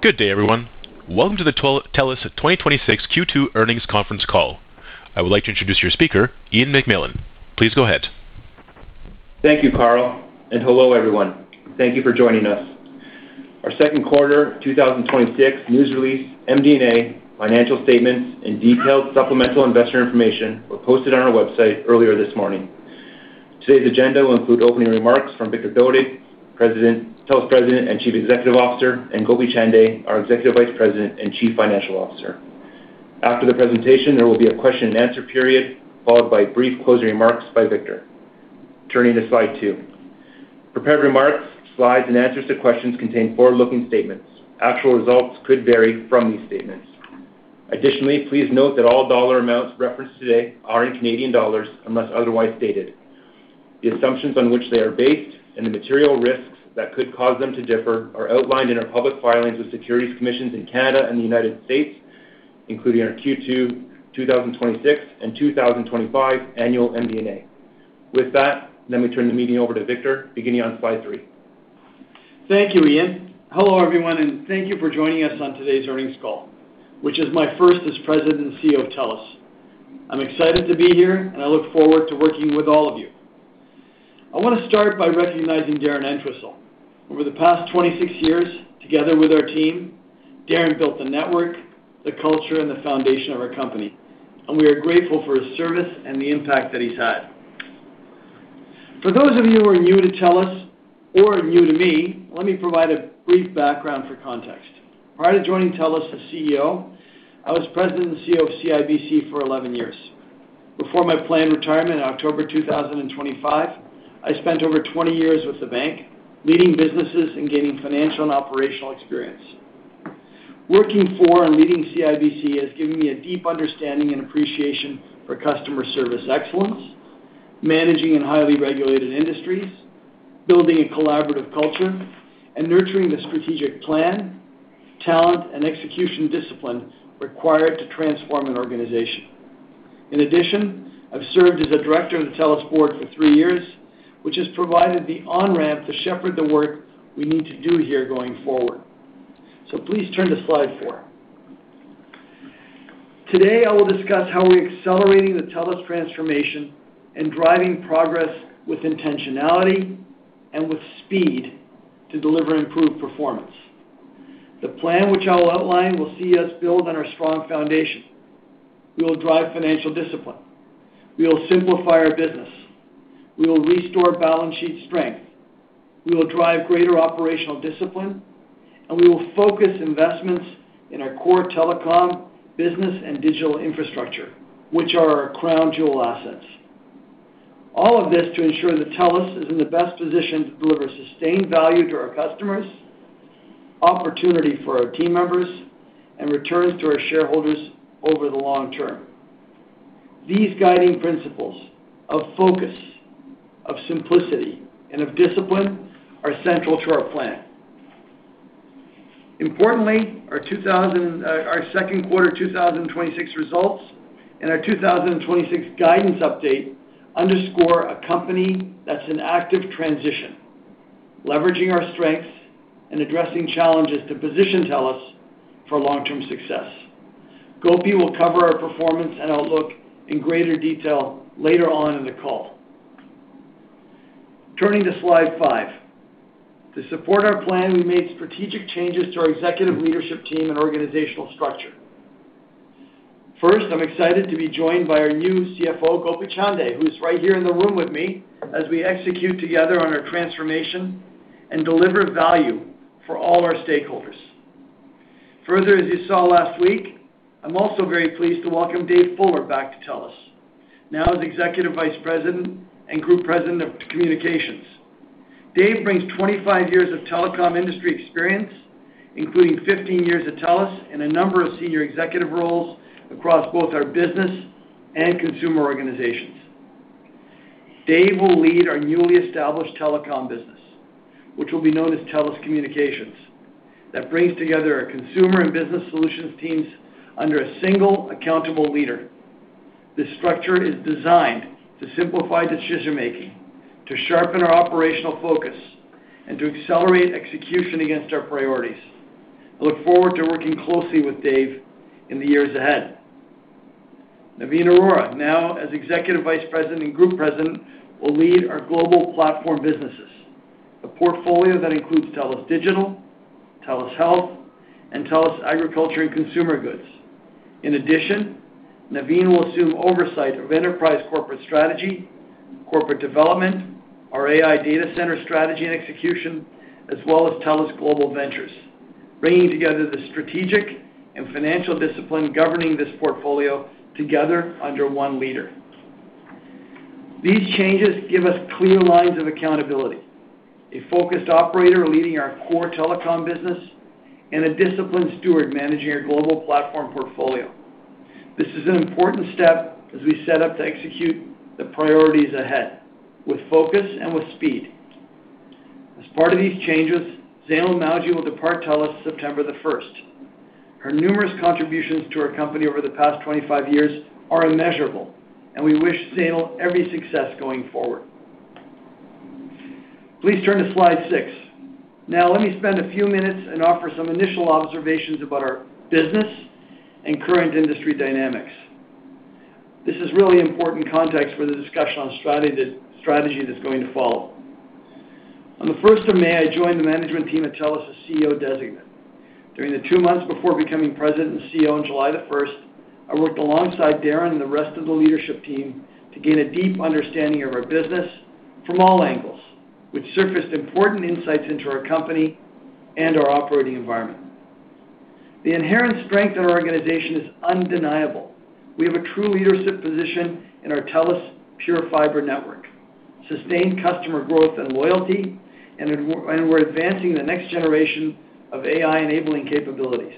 Good day, everyone. Welcome to the TELUS 2026 Q2 earnings conference call. I would like to introduce your speaker, Ian McMillan. Please go ahead. Thank you, Carl. Hello, everyone. Thank you for joining us. Our second quarter 2026 news release, MD&A, financial statements, and detailed supplemental investor information were posted on our website earlier this morning. Today's agenda will include opening remarks from Victor Dodig, TELUS President and Chief Executive Officer, and Gopi Chande, our Executive Vice President and Chief Financial Officer. After the presentation, there will be a question and answer period, followed by brief closing remarks by Victor. Turning to slide two. Prepared remarks, slides, and answers to questions contain forward-looking statements. Actual results could vary from these statements. Additionally, please note that all dollar amounts referenced today are in Canadian dollars, unless otherwise stated. The assumptions on which they are based and the material risks that could cause them to differ are outlined in our public filings with securities commissions in Canada and the United States, including our Q2 2026, and 2025 annual MD&A. With that, let me turn the meeting over to Victor, beginning on slide three. Thank you, Ian. Hello, everyone. Thank you for joining us on today's earnings call, which is my first as President and CEO of TELUS. I'm excited to be here. I look forward to working with all of you. I want to start by recognizing Darren Entwistle. Over the past 26 years, together with our team, Darren built the network, the culture, and the foundation of our company. We are grateful for his service and the impact that he's had. For those of you who are new to TELUS or are new to me, let me provide a brief background for context. Prior to joining TELUS as CEO, I was President and CEO of CIBC for 11 years. Before my planned retirement in October 2025, I spent over 20 years with the bank, leading businesses and gaining financial and operational experience. Working for and leading CIBC has given me a deep understanding and appreciation for customer service excellence, managing in highly regulated industries, building a collaborative culture, and nurturing the strategic plan, talent, and execution discipline required to transform an organization. In addition, I've served as a director of the TELUS board for three years, which has provided the on-ramp to shepherd the work we need to do here going forward. Please turn to slide four. Today, I will discuss how we're accelerating the TELUS transformation and driving progress with intentionality and with speed to deliver improved performance. The plan which I will outline will see us build on our strong foundation. We will drive financial discipline. We will simplify our business. We will restore balance sheet strength. We will drive greater operational discipline, we will focus investments in our core telecom business and digital infrastructure, which are our crown jewel assets. All of this to ensure that TELUS is in the best position to deliver sustained value to our customers, opportunity for our team members, and returns to our shareholders over the long term. These guiding principles of focus, of simplicity, and of discipline are central to our plan. Importantly, our second quarter 2026 results and our 2026 guidance update underscore a company that's in active transition, leveraging our strengths and addressing challenges to position TELUS for long-term success. Gopi will cover our performance and outlook in greater detail later on in the call. Turning to slide five. To support our plan, we made strategic changes to our executive leadership team and organizational structure. First, I'm excited to be joined by our new CFO, Gopi Chande, who's right here in the room with me as we execute together on our transformation and deliver value for all our stakeholders. Further, as you saw last week, I'm also very pleased to welcome Dave Fuller back to TELUS, now as Executive Vice President and Group President of Communications. Dave brings 25 years of telecom industry experience, including 15 years at TELUS, in a number of senior executive roles across both our business and consumer organizations. Dave will lead our newly established telecom business, which will be known as TELUS Communications, that brings together our consumer and business solutions teams under a single accountable leader. This structure is designed to simplify decision-making, to sharpen our operational focus, and to accelerate execution against our priorities. I look forward to working closely with Dave in the years ahead. Navin Arora, now as Executive Vice President and Group President, will lead our Global Platform Businesses, a portfolio that includes TELUS Digital, TELUS Health, and TELUS Agriculture & Consumer Goods. In addition, Navin will assume oversight of enterprise corporate strategy, corporate development, our AI data center strategy and execution, as well as TELUS Global Ventures, bringing together the strategic and financial discipline governing this portfolio together under one leader. These changes give us clear lines of accountability, a focused operator leading our core telecom business, and a disciplined steward managing our global platform portfolio. This is an important step as we set up to execute the priorities ahead with focus and with speed. As part of these changes, Zainul Mawji will depart TELUS September 1st. Her numerous contributions to our company over the past 25 years are immeasurable, and we wish Zainul every success going forward. Please turn to slide six. Now let me spend a few minutes and offer some initial observations about our business and current industry dynamics. This is really important context for the discussion on strategy that's going to follow. On the 1st of May, I joined the management team at TELUS as CEO designate. During the two months before becoming President and CEO on July the 1st, I worked alongside Darren and the rest of the leadership team to gain a deep understanding of our business from all angles, which surfaced important insights into our company and our operating environment. The inherent strength of our organization is undeniable. We have a true leadership position in our TELUS PureFibre network, sustained customer growth and loyalty, and we're advancing the next generation of AI-enabling capabilities.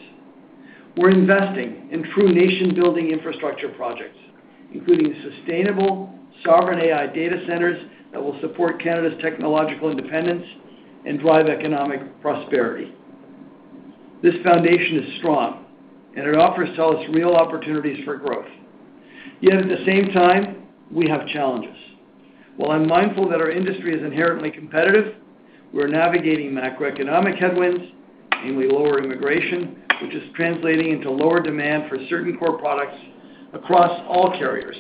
We're investing in true nation-building infrastructure projects, including sustainable sovereign AI data centers that will support Canada's technological independence and drive economic prosperity. This foundation is strong, and it offers TELUS real opportunities for growth. Yet at the same time, we have challenges. While I'm mindful that our industry is inherently competitive, we're navigating macroeconomic headwinds, namely lower immigration, which is translating into lower demand for certain core products across all carriers.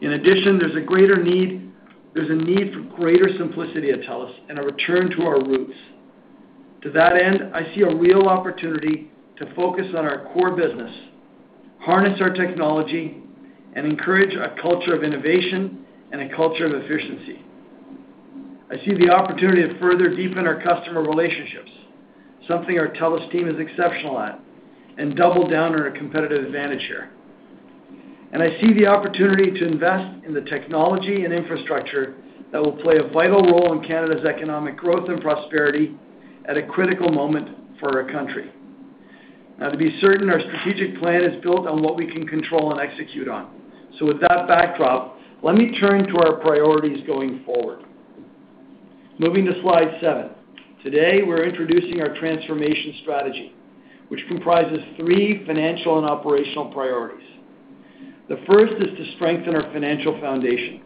In addition, there's a need for greater simplicity at TELUS and a return to our roots. To that end, I see a real opportunity to focus on our core business, harness our technology, and encourage a culture of innovation and a culture of efficiency. I see the opportunity to further deepen our customer relationships, something our TELUS team is exceptional at, and double down on our competitive advantage here. I see the opportunity to invest in the technology and infrastructure that will play a vital role in Canada's economic growth and prosperity at a critical moment for our country. Now, to be certain, our strategic plan is built on what we can control and execute on. With that backdrop, let me turn to our priorities going forward. Moving to slide seven. Today, we're introducing our transformation strategy, which comprises three financial and operational priorities. The first is to strengthen our financial foundation,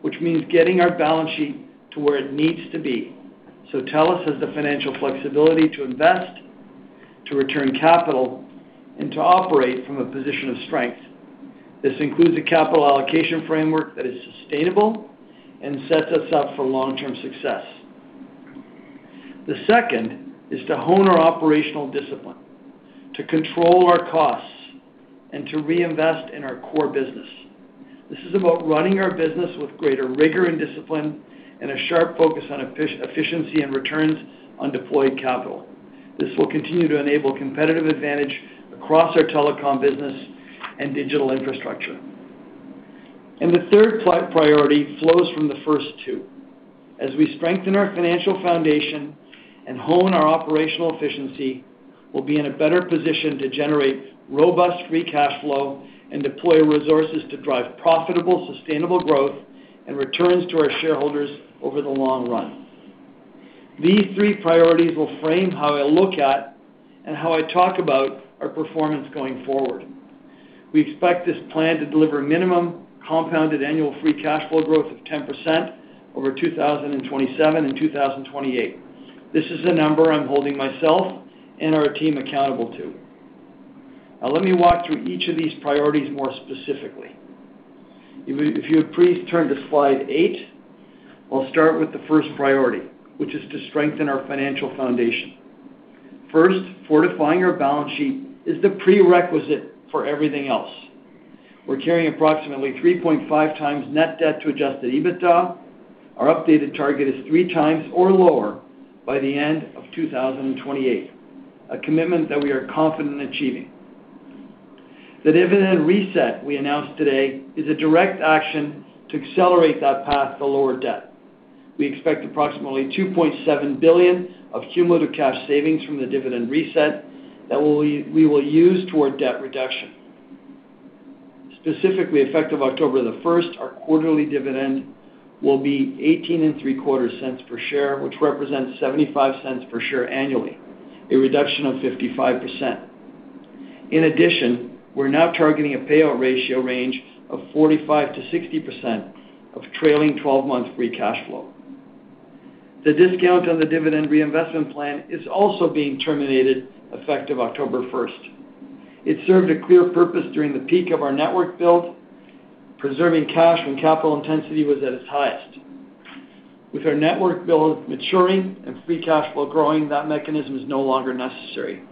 which means getting our balance sheet to where it needs to be, so TELUS has the financial flexibility to invest, to return capital, and to operate from a position of strength. This includes a capital allocation framework that is sustainable and sets us up for long-term success. The second is to hone our operational discipline, to control our costs, and to reinvest in our core business. This is about running our business with greater rigor and discipline and a sharp focus on efficiency and returns on deployed capital. This will continue to enable competitive advantage across our telecom business and digital infrastructure. The third priority flows from the first two. As we strengthen our financial foundation and hone our operational efficiency, we'll be in a better position to generate robust free cash flow and deploy resources to drive profitable, sustainable growth and returns to our shareholders over the long run. These three priorities will frame how I look at and how I talk about our performance going forward. We expect this plan to deliver minimum compounded annual free cash flow growth of 10% over 2027 and 2028. This is a number I'm holding myself and our team accountable to. Let me walk through each of these priorities more specifically. If you would please turn to slide eight, I'll start with the first priority, which is to strengthen our financial foundation. First, fortifying our balance sheet is the prerequisite for everything else. We're carrying approximately 3.5x net debt to adjusted EBITDA. Our updated target is 3x or lower by the end of 2028, a commitment that we are confident in achieving. The dividend reset we announced today is a direct action to accelerate that path to lower debt. We expect approximately 2.7 billion of cumulative cash savings from the dividend reset that we will use toward debt reduction. Specifically effective October 1st, our quarterly dividend will be 0.1875 per share, which represents 0.75 per share annually, a reduction of 55%. We're now targeting a payout ratio range of 45%-60% of trailing 12-month free cash flow. The discount on the dividend reinvestment plan is also being terminated effective October 1st. It served a clear purpose during the peak of our network build, preserving cash when capital intensity was at its highest. With our network build maturing and free cash flow growing, that mechanism is no longer necessary.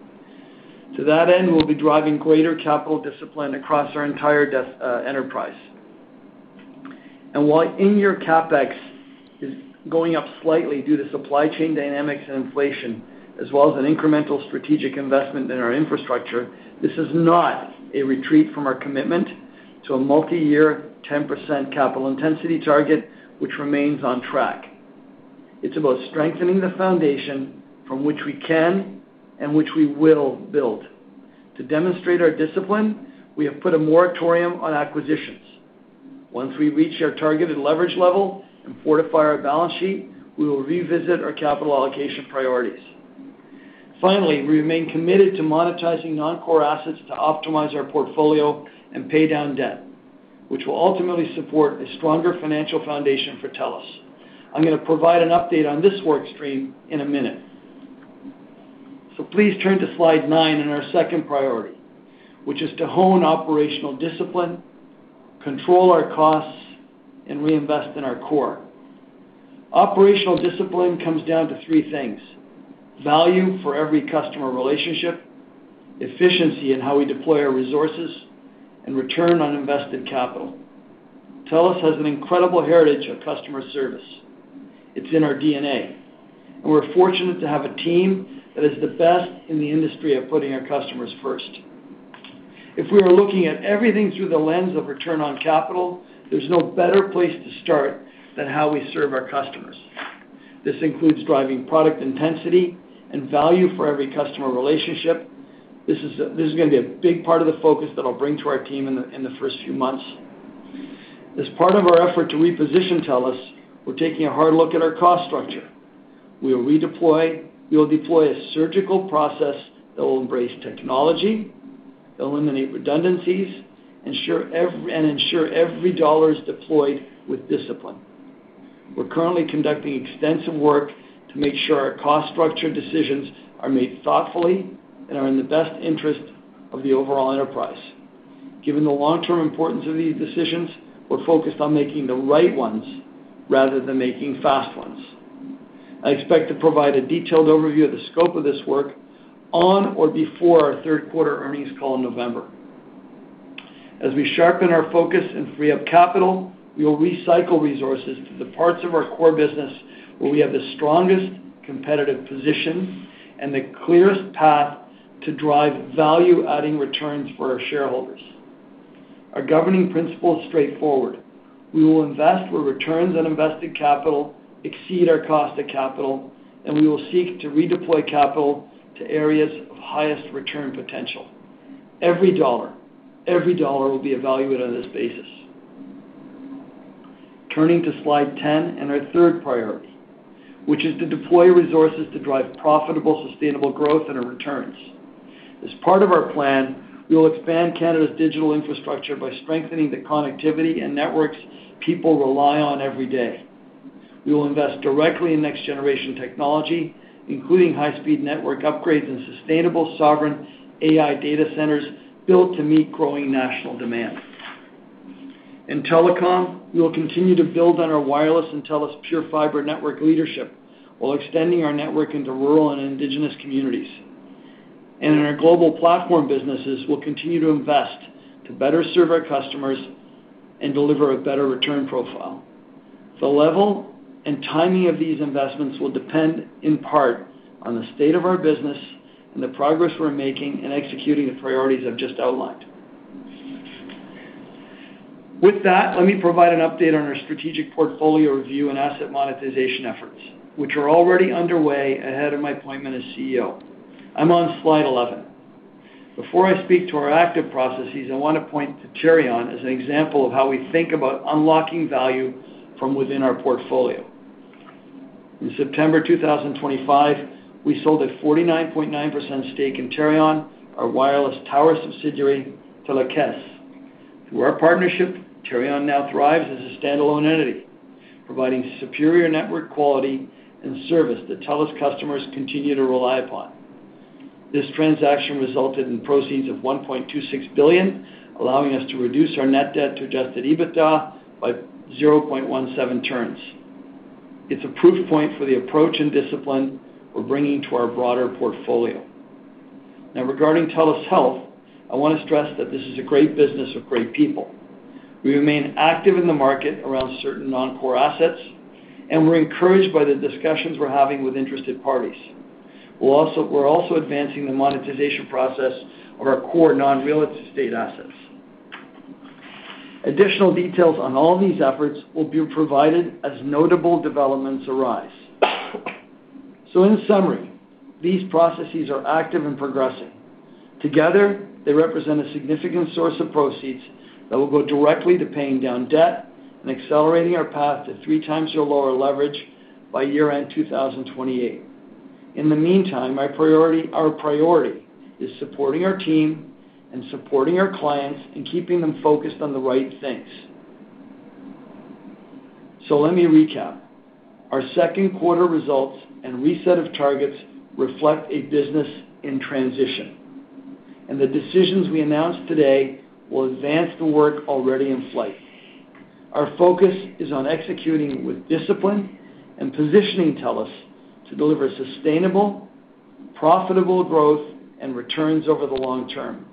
We'll be driving greater capital discipline across our entire enterprise. While in-year CapEx is going up slightly due to supply chain dynamics and inflation, as well as an incremental strategic investment in our infrastructure, this is not a retreat from our commitment to a multi-year 10% capital intensity target, which remains on track. It's about strengthening the foundation from which we can and which we will build. To demonstrate our discipline, we have put a moratorium on acquisitions. Once we reach our targeted leverage level and fortify our balance sheet, we will revisit our capital allocation priorities. We remain committed to monetizing non-core assets to optimize our portfolio and pay down debt, which will ultimately support a stronger financial foundation for TELUS. I'm going to provide an update on this work stream in a minute. Please turn to slide nine and our second priority, which is to hone operational discipline, control our costs, and reinvest in our core. Operational discipline comes down to three things, value for every customer relationship, efficiency in how we deploy our resources, and return on invested capital. TELUS has an incredible heritage of customer service. It's in our DNA, and we're fortunate to have a team that is the best in the industry at putting our customers first. If we are looking at everything through the lens of return on capital, there's no better place to start than how we serve our customers. This includes driving product intensity and value for every customer relationship. This is going to be a big part of the focus that I'll bring to our team in the first few months. As part of our effort to reposition TELUS, we're taking a hard look at our cost structure. We'll deploy a surgical process that will embrace technology, eliminate redundancies, and ensure every dollar is deployed with discipline. We're currently conducting extensive work to make sure our cost structure decisions are made thoughtfully and are in the best interest of the overall enterprise. Given the long-term importance of these decisions, we're focused on making the right ones rather than making fast ones. I expect to provide a detailed overview of the scope of this work on or before our third quarter earnings call in November. As we sharpen our focus and free up capital, we will recycle resources to the parts of our core business where we have the strongest competitive position and the clearest path to drive value-adding returns for our shareholders. Our governing principle is straightforward. We will invest where returns on invested capital exceed our cost of capital, and we will seek to redeploy capital to areas of highest return potential. Every dollar will be evaluated on this basis. Turning to slide 10 and our third priority, which is to deploy resources to drive profitable, sustainable growth and our returns. As part of our plan, we will expand Canada's digital infrastructure by strengthening the connectivity and networks people rely on every day. We will invest directly in next-generation technology, including high-speed network upgrades and sustainable sovereign AI data centers built to meet growing national demand. In telecom, we will continue to build on our wireless and TELUS PureFibre network leadership while extending our network into rural and indigenous communities. In our global platform businesses, we'll continue to invest to better serve our customers and deliver a better return profile. The level and timing of these investments will depend in part on the state of our business and the progress we're making in executing the priorities I've just outlined. With that, let me provide an update on our strategic portfolio review and asset monetization efforts, which are already underway ahead of my appointment as CEO. I'm on slide 11. Before I speak to our active processes, I want to point to Terrion as an example of how we think about unlocking value from within our portfolio. In September 2025, we sold a 49.9% stake in Terrion, our wireless tower subsidiary, to La Caisse. Through our partnership, Terrion now thrives as a standalone entity, providing superior network quality and service that TELUS customers continue to rely upon. This transaction resulted in proceeds of 1.26 billion, allowing us to reduce our net debt to adjusted EBITDA by 0.17 turns. It's a proof point for the approach and discipline we're bringing to our broader portfolio. Now, regarding TELUS Health, I want to stress that this is a great business of great people. We remain active in the market around certain non-core assets, and we're encouraged by the discussions we're having with interested parties. We're also advancing the monetization process of our core non-real estate assets. Additional details on all these efforts will be provided as notable developments arise. In summary, these processes are active and progressing. Together, they represent a significant source of proceeds that will go directly to paying down debt and accelerating our path to 3x or lower leverage by year-end 2028. In the meantime, our priority is supporting our team and supporting our clients and keeping them focused on the right things. Let me recap. Our second quarter results and reset of targets reflect a business in transition, and the decisions we announce today will advance the work already in flight. Our focus is on executing with discipline and positioning TELUS to deliver sustainable, profitable growth and returns over the long term.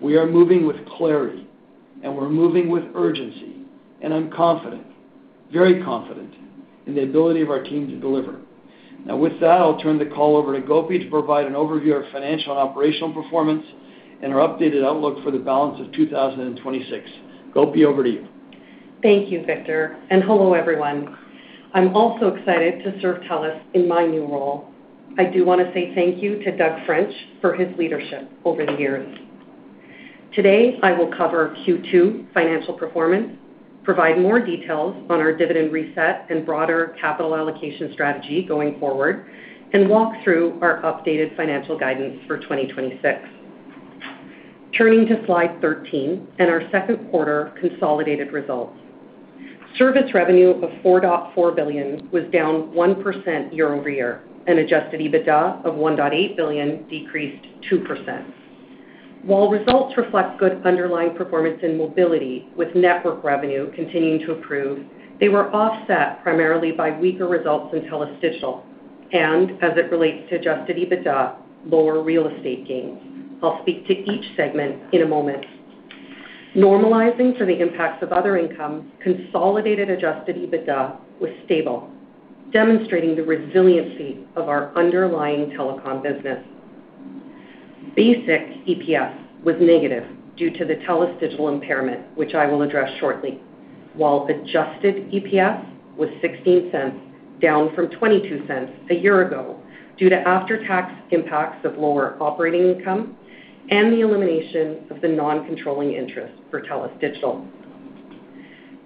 We are moving with clarity, we're moving with urgency, I'm confident, very confident, in the ability of our team to deliver. With that, I'll turn the call over to Gopi to provide an overview of our financial and operational performance and our updated outlook for the balance of 2026. Gopi, over to you. Thank you, Victor, hello, everyone. I'm also excited to serve TELUS in my new role. I do want to say thank you to Doug French for his leadership over the years. Today, I will cover Q2 financial performance, provide more details on our dividend reset and broader capital allocation strategy going forward, walk through our updated financial guidance for 2026. Turning to slide 13 and our second quarter consolidated results. Service revenue of 4.4 billion was down 1% year-over-year and adjusted EBITDA of 1.8 billion decreased 2%. While results reflect good underlying performance in mobility, with network revenue continuing to improve, they were offset primarily by weaker results in TELUS Digital and, as it relates to adjusted EBITDA, lower real estate gains. I'll speak to each segment in a moment. Normalizing for the impacts of other income, consolidated adjusted EBITDA was stable, demonstrating the resiliency of our underlying telecom business. Basic EPS was negative due to the TELUS Digital impairment, which I will address shortly. Adjusted EPS was 0.16, down from 0.22 a year ago due to after-tax impacts of lower operating income and the elimination of the non-controlling interest for TELUS Digital.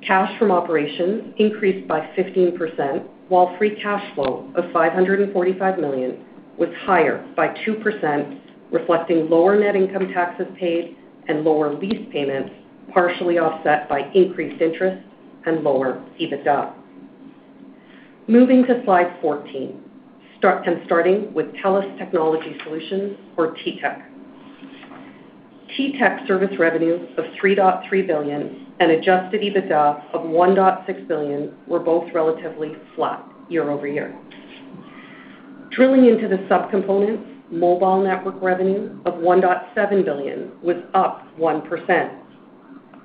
Cash from operations increased by 15%, while free cash flow of 545 million was higher by 2%, reflecting lower net income taxes paid and lower lease payments, partially offset by increased interest and lower EBITDA. Moving to slide 14, starting with TELUS technology solutions or TTech. TTech service revenue of 3.3 billion and adjusted EBITDA of 1.6 billion were both relatively flat year-over-year. Drilling into the subcomponents, mobile network revenue of 1.7 billion was up 1%.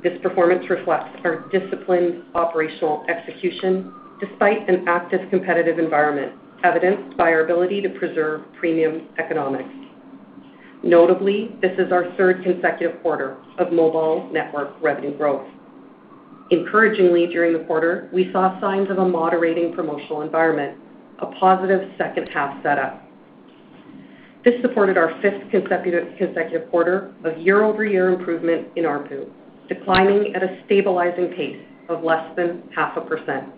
This performance reflects our disciplined operational execution despite an active competitive environment, evidenced by our ability to preserve premium economics. Notably, this is our third consecutive quarter of mobile network revenue growth. Encouragingly, during the quarter, we saw signs of a moderating promotional environment, a positive second half setup. This supported our fifth consecutive quarter of year-over-year improvement in ARPU, declining at a stabilizing pace of less than half a percent.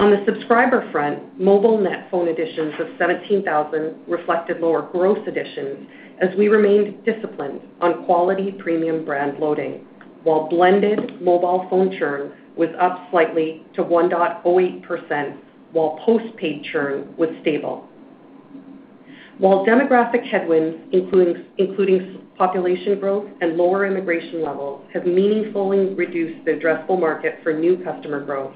On the subscriber front, mobile net phone additions of 17,000 reflected lower gross additions as we remained disciplined on quality premium brand loading, while blended mobile phone churn was up slightly to 1.08%, postpaid churn was stable. Demographic headwinds, including population growth and lower immigration levels, have meaningfully reduced the addressable market for new customer growth,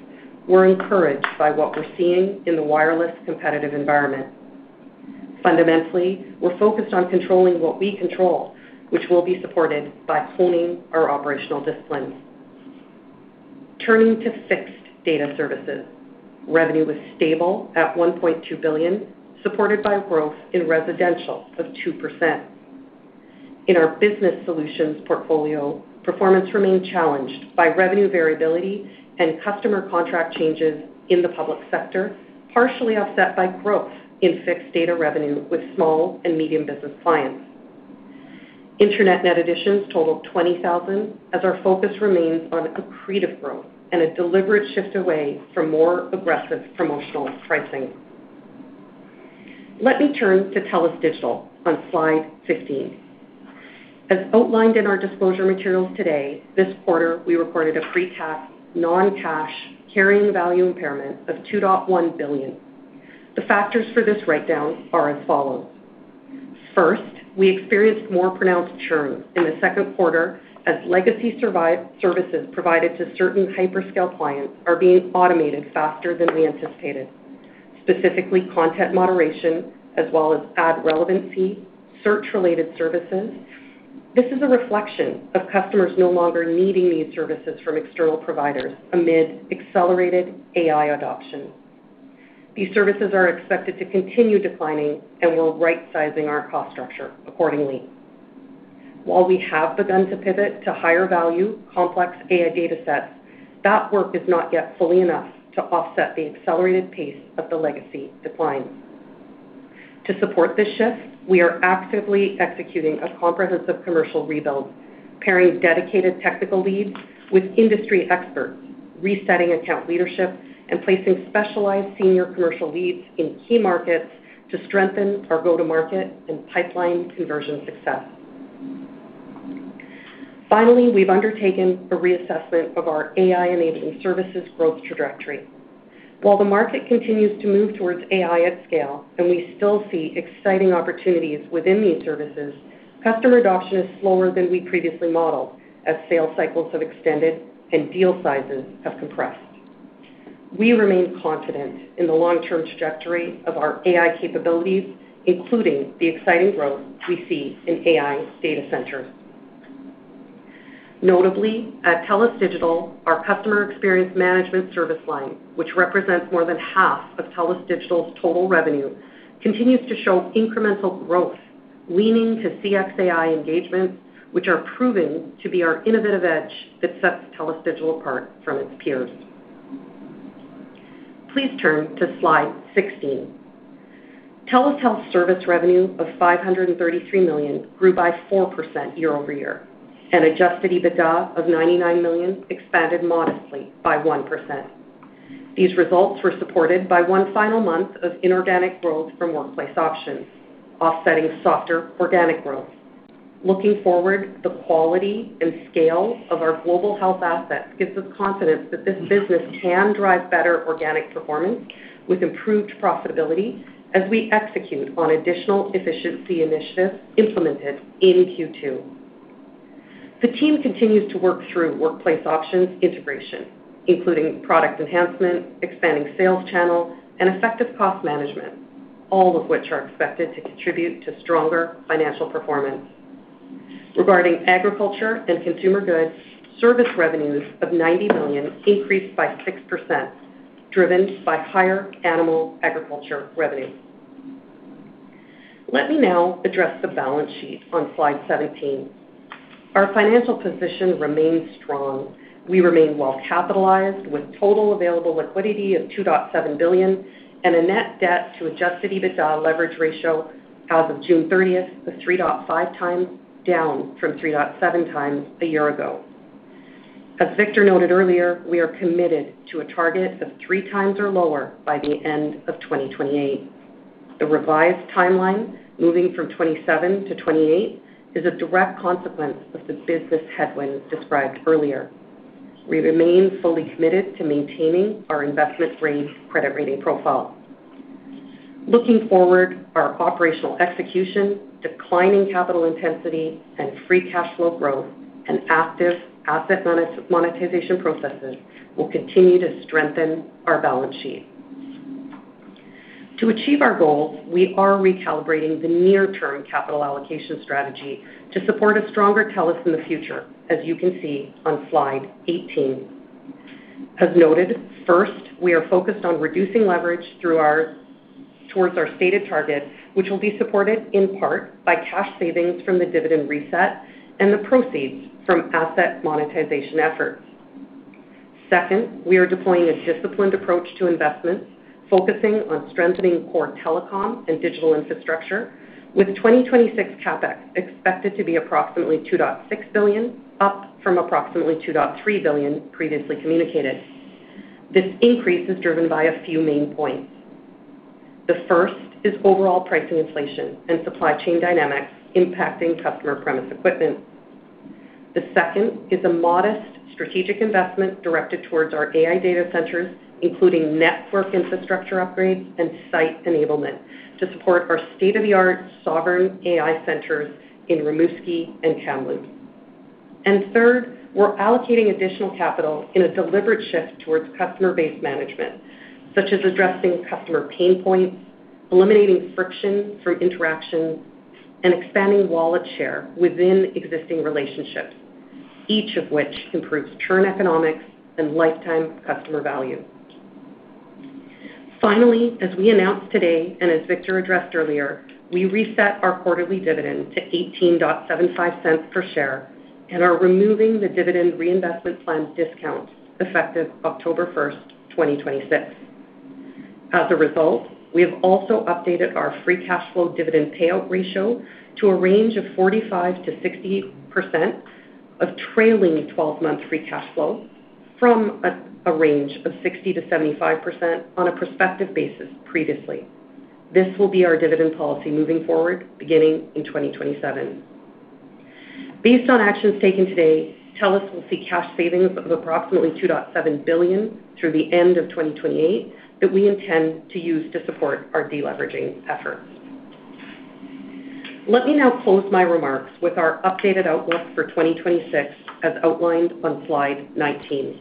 we're encouraged by what we're seeing in the wireless competitive environment. Fundamentally, we're focused on controlling what we control, which will be supported by honing our operational disciplines. Turning to fixed data services. Revenue was stable at 1.2 billion, supported by growth in residential of 2%. In our TELUS Business Solutions portfolio, performance remained challenged by revenue variability and customer contract changes in the public sector, partially offset by growth in fixed data revenue with small and medium business clients. Internet net additions totaled 20,000 as our focus remains on accretive growth and a deliberate shift away from more aggressive promotional pricing. Let me turn to TELUS Digital on slide 15. As outlined in our disclosure materials today, this quarter we reported a pre-tax non-cash carrying value impairment of 2.1 billion. The factors for this write-down are as follows. First, we experienced more pronounced churn in the second quarter as legacy services provided to certain hyperscale clients are being automated faster than we anticipated, specifically content moderation as well as ad relevancy, search related services. This is a reflection of customers no longer needing these services from external providers amid accelerated AI adoption. These services are expected to continue declining, and we're rightsizing our cost structure accordingly. While we have begun to pivot to higher value complex AI datasets, that work is not yet fully enough to offset the accelerated pace of the legacy decline. To support this shift, we are actively executing a comprehensive commercial rebuild, pairing dedicated technical leads with industry experts, resetting account leadership, and placing specialized senior commercial leads in key markets to strengthen our go-to-market and pipeline conversion success. Finally, we've undertaken a reassessment of our AI-enabling services growth trajectory. While the market continues to move towards AI at scale and we still see exciting opportunities within these services, customer adoption is slower than we previously modeled as sales cycles have extended and deal sizes have compressed. We remain confident in the long-term trajectory of our AI capabilities, including the exciting growth we see in AI data centers. Notably, at TELUS Digital, our customer experience management service line, which represents more than half of TELUS Digital's total revenue, continues to show incremental growth, leaning to CXAI engagements, which are proving to be our innovative edge that sets TELUS Digital apart from its peers. Please turn to slide 16. TELUS Health service revenue of 533 million grew by 4% year-over-year, and adjusted EBITDA of 99 million expanded modestly by 1%. These results were supported by one final month of inorganic growth from Workplace Options, offsetting softer organic growth. Looking forward, the quality and scale of our global health assets gives us confidence that this business can drive better organic performance with improved profitability as we execute on additional efficiency initiatives implemented in Q2. The team continues to work through Workplace Options integration, including product enhancement, expanding sales channels, and effective cost management, all of which are expected to contribute to stronger financial performance. Regarding TELUS Agriculture & Consumer Goods, service revenues of 90 million increased by 6%, driven by higher animal agriculture revenue. Let me now address the balance sheet on slide 17. Our financial position remains strong. We remain well capitalized with total available liquidity of 2.7 billion and a net debt-to-adjusted EBITDA leverage ratio as of June 30th of 3.5x, down from 3.7x a year ago. As Victor noted earlier, we are committed to a target of 3x or lower by the end of 2028. The revised timeline, moving from 2027 to 2028, is a direct consequence of the business headwinds described earlier. We remain fully committed to maintaining our investment-grade credit rating profile. Looking forward, our operational execution, declining capital intensity and free cash flow growth, and active asset monetization processes will continue to strengthen our balance sheet. To achieve our goals, we are recalibrating the near-term capital allocation strategy to support a stronger TELUS in the future, as you can see on slide 18. As noted, first, we are focused on reducing leverage towards our stated target, which will be supported in part by cash savings from the dividend reset and the proceeds from asset monetization efforts. Second, we are deploying a disciplined approach to investments, focusing on strengthening core telecom and digital infrastructure with 2026 CapEx expected to be approximately 2.6 billion, up from approximately 2.3 billion previously communicated. This increase is driven by a few main points. The first is overall pricing inflation and supply chain dynamics impacting customer premise equipment. The second is a modest strategic investment directed towards our AI data centers, including network infrastructure upgrades and site enablement to support our state-of-the-art sovereign AI centers in Rimouski and Kamloops. Third, we're allocating additional capital in a deliberate shift towards customer base management, such as addressing customer pain points, eliminating friction through interactions, and expanding wallet share within existing relationships, each of which improves churn economics and lifetime customer value. Finally, as we announced today and as Victor addressed earlier, we reset our quarterly dividend to 0.1875 per share and are removing the dividend reinvestment plan discount effective October 1st, 2026. As a result, we have also updated our free cash flow dividend payout ratio to a range of 45%-60% of trailing 12-month free cash flow from a range of 60%-75% on a prospective basis previously. This will be our dividend policy moving forward beginning in 2027. Based on actions taken today, TELUS will see cash savings of approximately 2.7 billion through the end of 2028 that we intend to use to support our deleveraging efforts. Let me now close my remarks with our updated outlook for 2026, as outlined on slide 19.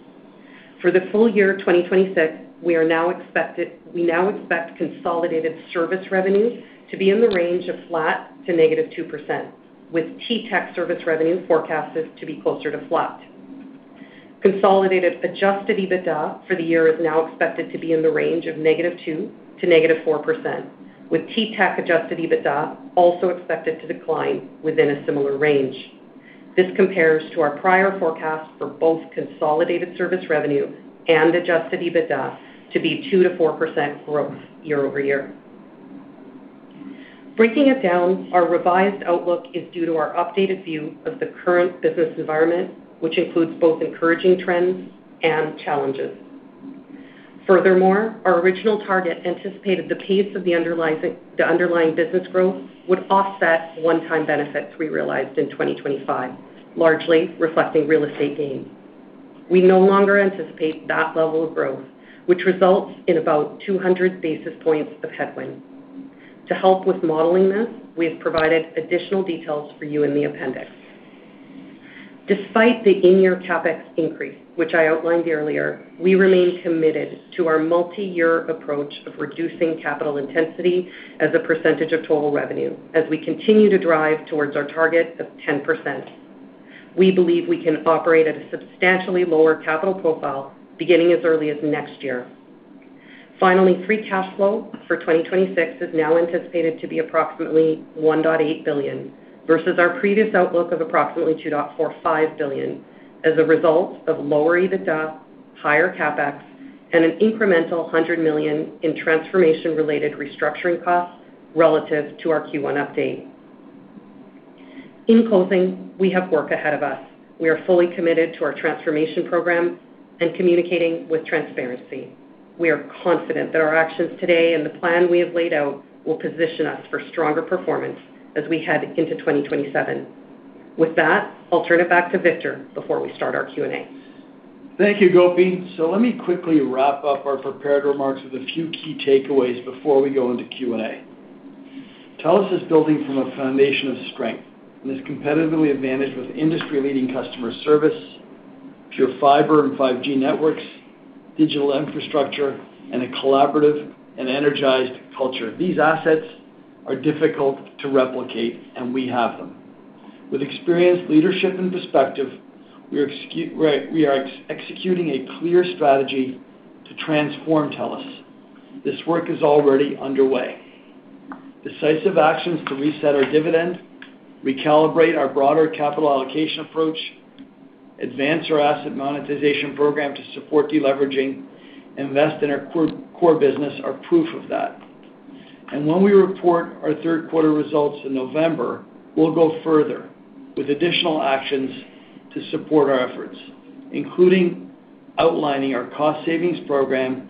For the full year 2026, we now expect consolidated service revenue to be in the range of flat to -2%, with TTech service revenue forecasted to be closer to flat. Consolidated adjusted EBITDA for the year is now expected to be in the range of -2% to -4%, with TTech adjusted EBITDA also expected to decline within a similar range. This compares to our prior forecast for both consolidated service revenue and adjusted EBITDA to be 2%-4% growth year-over-year. Breaking it down, our revised outlook is due to our updated view of the current business environment, which includes both encouraging trends and challenges. Furthermore, our original target anticipated the pace of the underlying business growth would offset one-time benefits we realized in 2025, largely reflecting real estate gains. We no longer anticipate that level of growth, which results in about 200 basis points of headwind. To help with modeling this, we have provided additional details for you in the appendix. Despite the in-year CapEx increase, which I outlined earlier, we remain committed to our multi-year approach of reducing capital intensity as a percentage of total revenue as we continue to drive towards our target of 10%. We believe we can operate at a substantially lower capital profile beginning as early as next year. Finally, free cash flow for 2026 is now anticipated to be approximately 1.8 billion versus our previous outlook of approximately 2.45 billion as a result of lower EBITDA, higher CapEx, an incremental 100 million in transformation-related restructuring costs relative to our Q1 update. In closing, we have work ahead of us. We are fully committed to our transformation program and communicating with transparency. We are confident that our actions today and the plan we have laid out will position us for stronger performance as we head into 2027. With that, I'll turn it back to Victor before we start our Q&A. Thank you, Gopi. Let me quickly wrap up our prepared remarks with a few key takeaways before we go into Q&A. TELUS is building from a foundation of strength and is competitively advantaged with industry-leading customer service, TELUS PureFibre and 5G networks, digital infrastructure, and a collaborative and energized culture. These assets are difficult to replicate, and we have them. With experienced leadership and perspective, we are executing a clear strategy to transform TELUS. This work is already underway. Decisive actions to reset our dividend, recalibrate our broader capital allocation approach, advance our asset monetization program to support deleveraging, invest in our core business are proof of that. When we report our third quarter results in November, we'll go further with additional actions to support our efforts, including outlining our cost savings program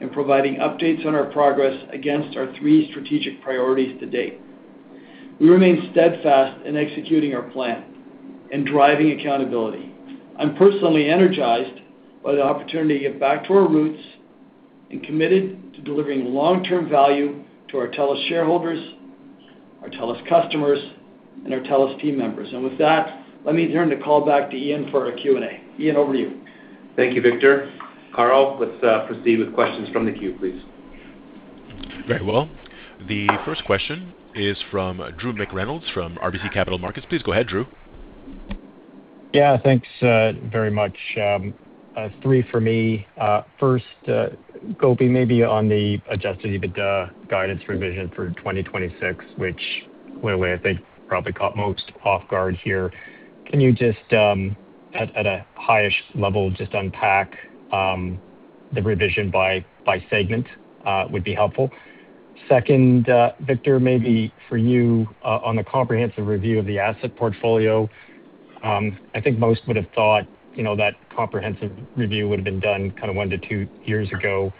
and providing updates on our progress against our three strategic priorities to date. We remain steadfast in executing our plan and driving accountability. I'm personally energized by the opportunity to get back to our roots and committed to delivering long-term value to our TELUS shareholders, our TELUS customers, and our TELUS team members. With that, let me turn the call back to Ian for our Q&A. Ian, over to you. Thank you, Victor. Carl, let's proceed with questions from the queue, please. Very well. The first question is from Drew McReynolds from RBC Capital Markets. Please go ahead, Drew. Yeah, thanks very much. Three for me. First, Gopi, maybe on the adjusted EBITDA guidance revision for 2026, which quite a way, I think probably caught most off guard here. Can you just at a high-ish level, just unpack the revision by segment would be helpful. Second, Victor, maybe for you, on the comprehensive review of the asset portfolio, I think most would have thought that comprehensive review would have been done one to two years ago.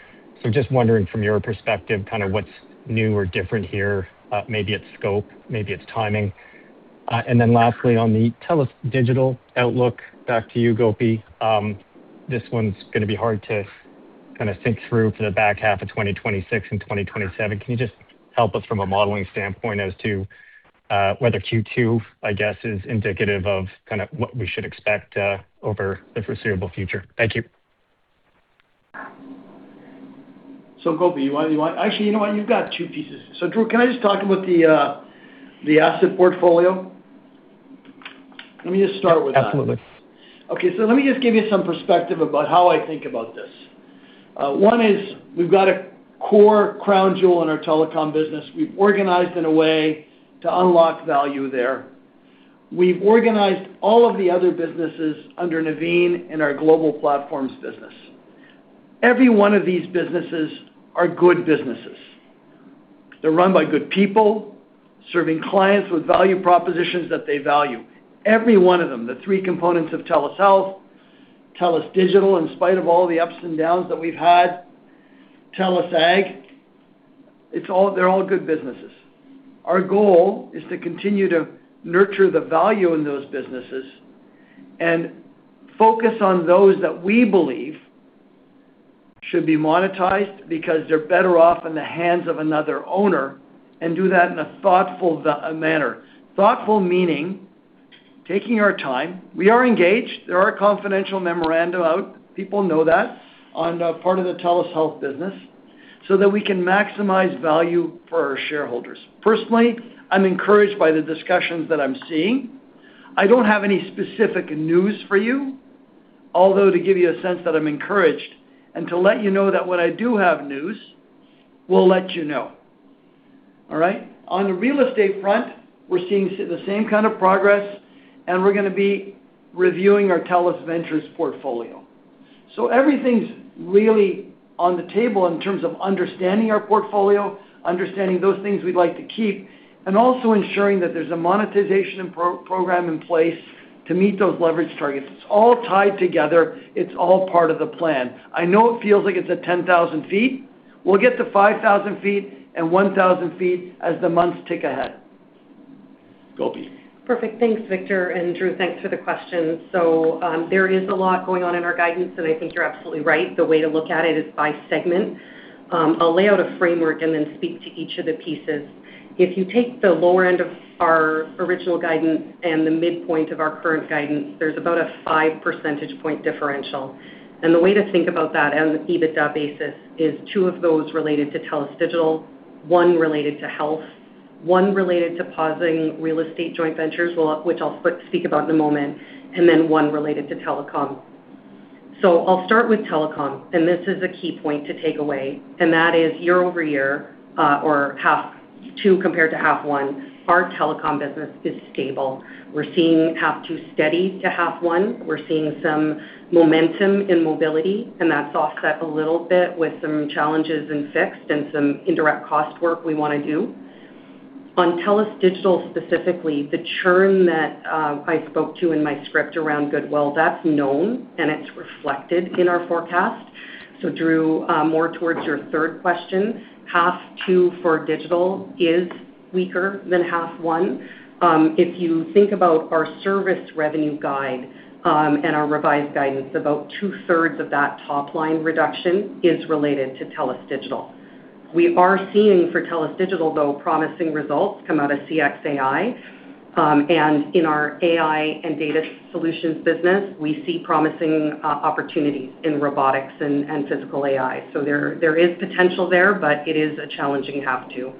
Just wondering from your perspective, what's new or different here. Maybe it's scope, maybe it's timing. And then lastly, on the TELUS Digital outlook, back to you, Gopi. This one's going to be hard to think through for the back half of 2026 and 2027. Can you just help us from a modeling standpoint as to whether Q2, I guess, is indicative of what we should expect over the foreseeable future? Thank you. Gopi, actually, you know what, you've got two pieces. Drew, can I just talk about the asset portfolio? Let me just start with that. Absolutely. Okay, let me just give you some perspective about how I think about this. One is we've got a core crown jewel in our telecom business. We've organized in a way to unlock value there. We've organized all of the other businesses under Navin and our global platforms business. Every one of these businesses are good businesses. They're run by good people, serving clients with value propositions that they value. Every one of them, the three components of TELUS Health, TELUS Digital, in spite of all the ups and downs that we've had, TELUS Agriculture & Consumer Goods, they're all good businesses. Our goal is to continue to nurture the value in those businesses and focus on those that we believe should be monetized because they're better off in the hands of another owner and do that in a thoughtful manner. Thoughtful meaning, taking our time. We are engaged. There are confidential memorandum out. People know that on the part of the TELUS Health business, so that we can maximize value for our shareholders. Personally, I'm encouraged by the discussions that I'm seeing. I don't have any specific news for you, although to give you a sense that I'm encouraged and to let you know that when I do have news, we'll let you know. All right. On the real estate front, we're seeing the same kind of progress, and we're going to be reviewing our TELUS Ventures portfolio. Everything's really on the table in terms of understanding our portfolio, understanding those things we'd like to keep, and also ensuring that there's a monetization program in place to meet those leverage targets. It's all tied together. It's all part of the plan. I know it feels like it's at 10,000 ft. We'll get to 5,000 ft and 1,000 ft as the months tick ahead. Gopi. Perfect. Thanks, Victor, and Drew, thanks for the question. There is a lot going on in our guidance, and I think you're absolutely right. The way to look at it is by segment. I'll lay out a framework and then speak to each of the pieces. If you take the lower end of our original guidance and the midpoint of our current guidance, there's about a 5 percentage point differential. The way to think about that as an EBITDA basis is two of those related to TELUS Digital, one related to TELUS Health, one related to pausing real estate joint ventures, which I'll speak about in a moment, and then one related to Telecom. I'll start with Telecom, and this is a key point to take away, and that is year-over-year or half one compared to half two, our telecom business is stable. We're seeing half two steady to half one. We're seeing some momentum in mobility, and that's offset a little bit with some challenges in fixed and some indirect cost work we want to do. On TELUS Digital, specifically, the churn that I spoke to in my script around goodwill, that's known, and it's reflected in our forecast. Drew, more towards your third question, half two for TELUS Digital is weaker than half one. If you think about our service revenue guide and our revised guidance, about two-thirds of that top-line reduction is related to TELUS Digital. We are seeing, for TELUS Digital though, promising results come out of CXAI. In our AI and data solutions business, we see promising opportunities in robotics and physical AI. There is potential there, but it is a challenging half two.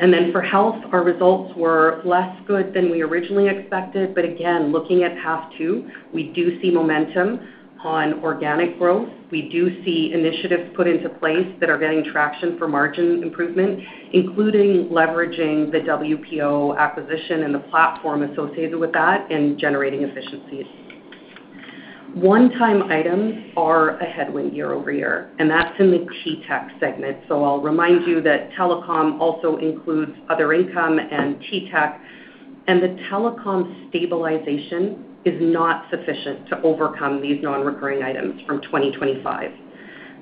For TELUS Health, our results were less good than we originally expected. Again, looking at half two, we do see momentum on organic growth. We do see initiatives put into place that are getting traction for margin improvement, including leveraging the WPO acquisition and the platform associated with that and generating efficiencies. One-time items are a headwind year-over-year, and that's in the TTech segment. I'll remind you that telecom also includes other income and TTech. The telecom stabilization is not sufficient to overcome these non-recurring items from 2025.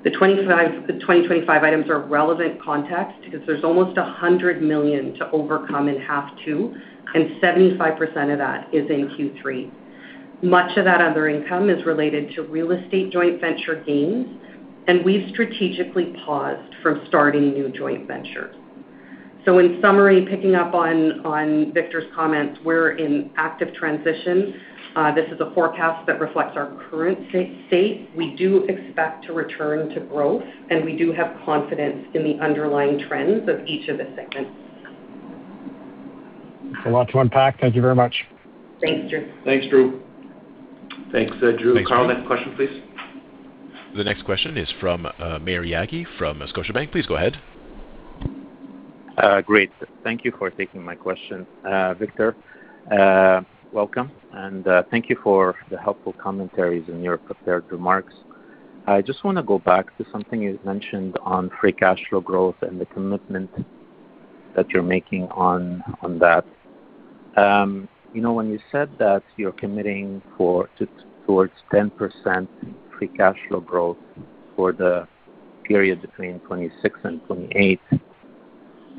The 2025 items are relevant context because there's almost 100 million to overcome in half two, and 75% of that is in Q3. Much of that other income is related to real estate joint venture gains, and we've strategically paused from starting new joint ventures. In summary, picking up on Victor's comments, we're in active transition. This is a forecast that reflects our current state. We do expect to return to growth, and we do have confidence in the underlying trends of each of the segments. It's a lot to unpack. Thank you very much. Thanks, Drew. Thanks, Drew. Thanks, Drew. Carl, next question, please. The next question is from Maher Yaghi from Scotiabank. Please go ahead. Great. Thank you for taking my question. Victor, welcome, and thank you for the helpful commentaries in your prepared remarks. I just want to go back to something you mentioned on free cash flow growth and the commitment that you're making on that. When you said that you're committing towards 10% free cash flow growth for the period between 2026 and 2028,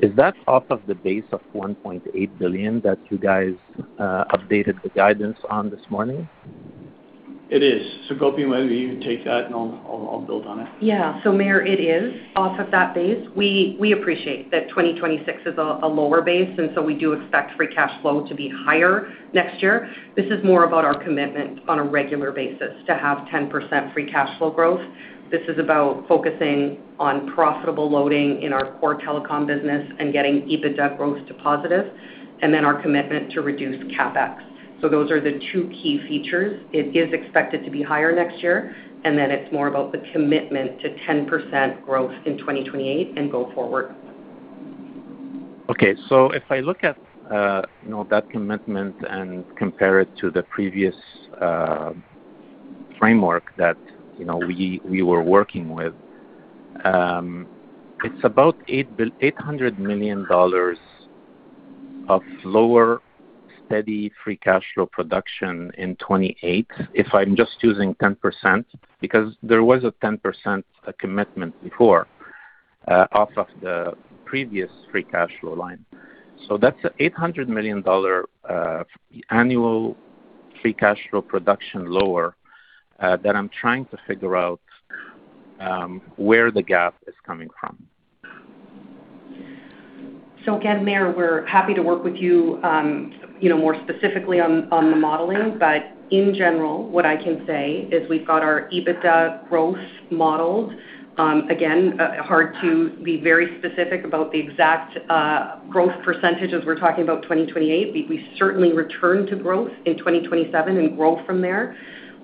is that off of the base of 1.8 billion that you guys updated the guidance on this morning? It is. Gopi, maybe you take that and I'll build on it. Maher, it is off of that base. We appreciate that 2026 is a lower base, we do expect free cash flow to be higher next year. This is more about our commitment on a regular basis to have 10% free cash flow growth. This is about focusing on profitable loading in our core telecom business and getting EBITDA growth to positive, our commitment to reduce CapEx. Those are the two key features. It is expected to be higher next year, it's more about the commitment to 10% growth in 2028 and go forward. Okay. If I look at that commitment and compare it to the previous framework that we were working with, it's about 800 million dollars of lower steady free cash flow production in 2028, if I'm just using 10%, because there was a 10% commitment before off of the previous free cash flow line. That's a 800 million dollar annual free cash flow production lower that I'm trying to figure out where the gap is coming from. Again, Maher, we're happy to work with you more specifically on the modeling. In general, what I can say is we've got our EBITDA growth modeled. Again, hard to be very specific about the exact growth percentage as we're talking about 2028. We certainly return to growth in 2027 and grow from there.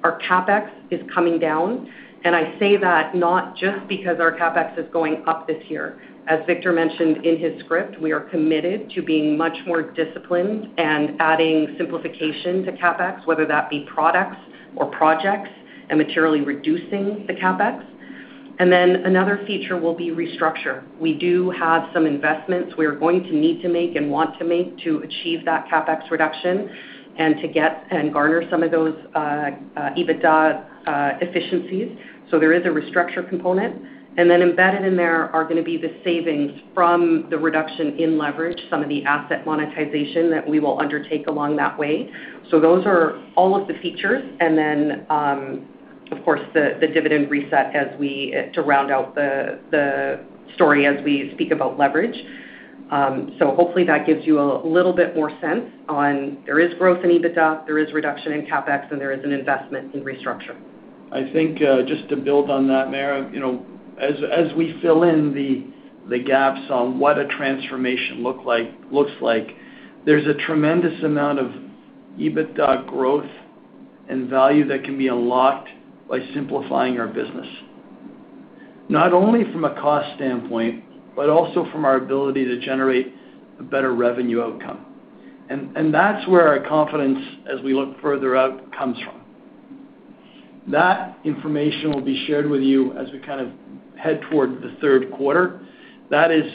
Our CapEx is coming down, and I say that not just because our CapEx is going up this year. As Victor mentioned in his script, we are committed to being much more disciplined and adding simplification to CapEx, whether that be products or projects, and materially reducing the CapEx. Another feature will be restructure. We do have some investments we are going to need to make and want to make to achieve that CapEx reduction and to get and garner some of those EBITDA efficiencies. There is a restructure component. Embedded in there are going to be the savings from the reduction in leverage, some of the asset monetization that we will undertake along that way. Those are all of the features. Of course, the dividend reset to round out the story as we speak about leverage. Hopefully that gives you a little bit more sense on there is growth in EBITDA, there is reduction in CapEx, and there is an investment in restructure. I think just to build on that, Maher, as we fill in the gaps on what a transformation looks like, there's a tremendous amount of EBITDA growth and value that can be unlocked by simplifying our business, not only from a cost standpoint, but also from our ability to generate a better revenue outcome. That's where our confidence, as we look further out, comes from. That information will be shared with you as we head toward the third quarter. That is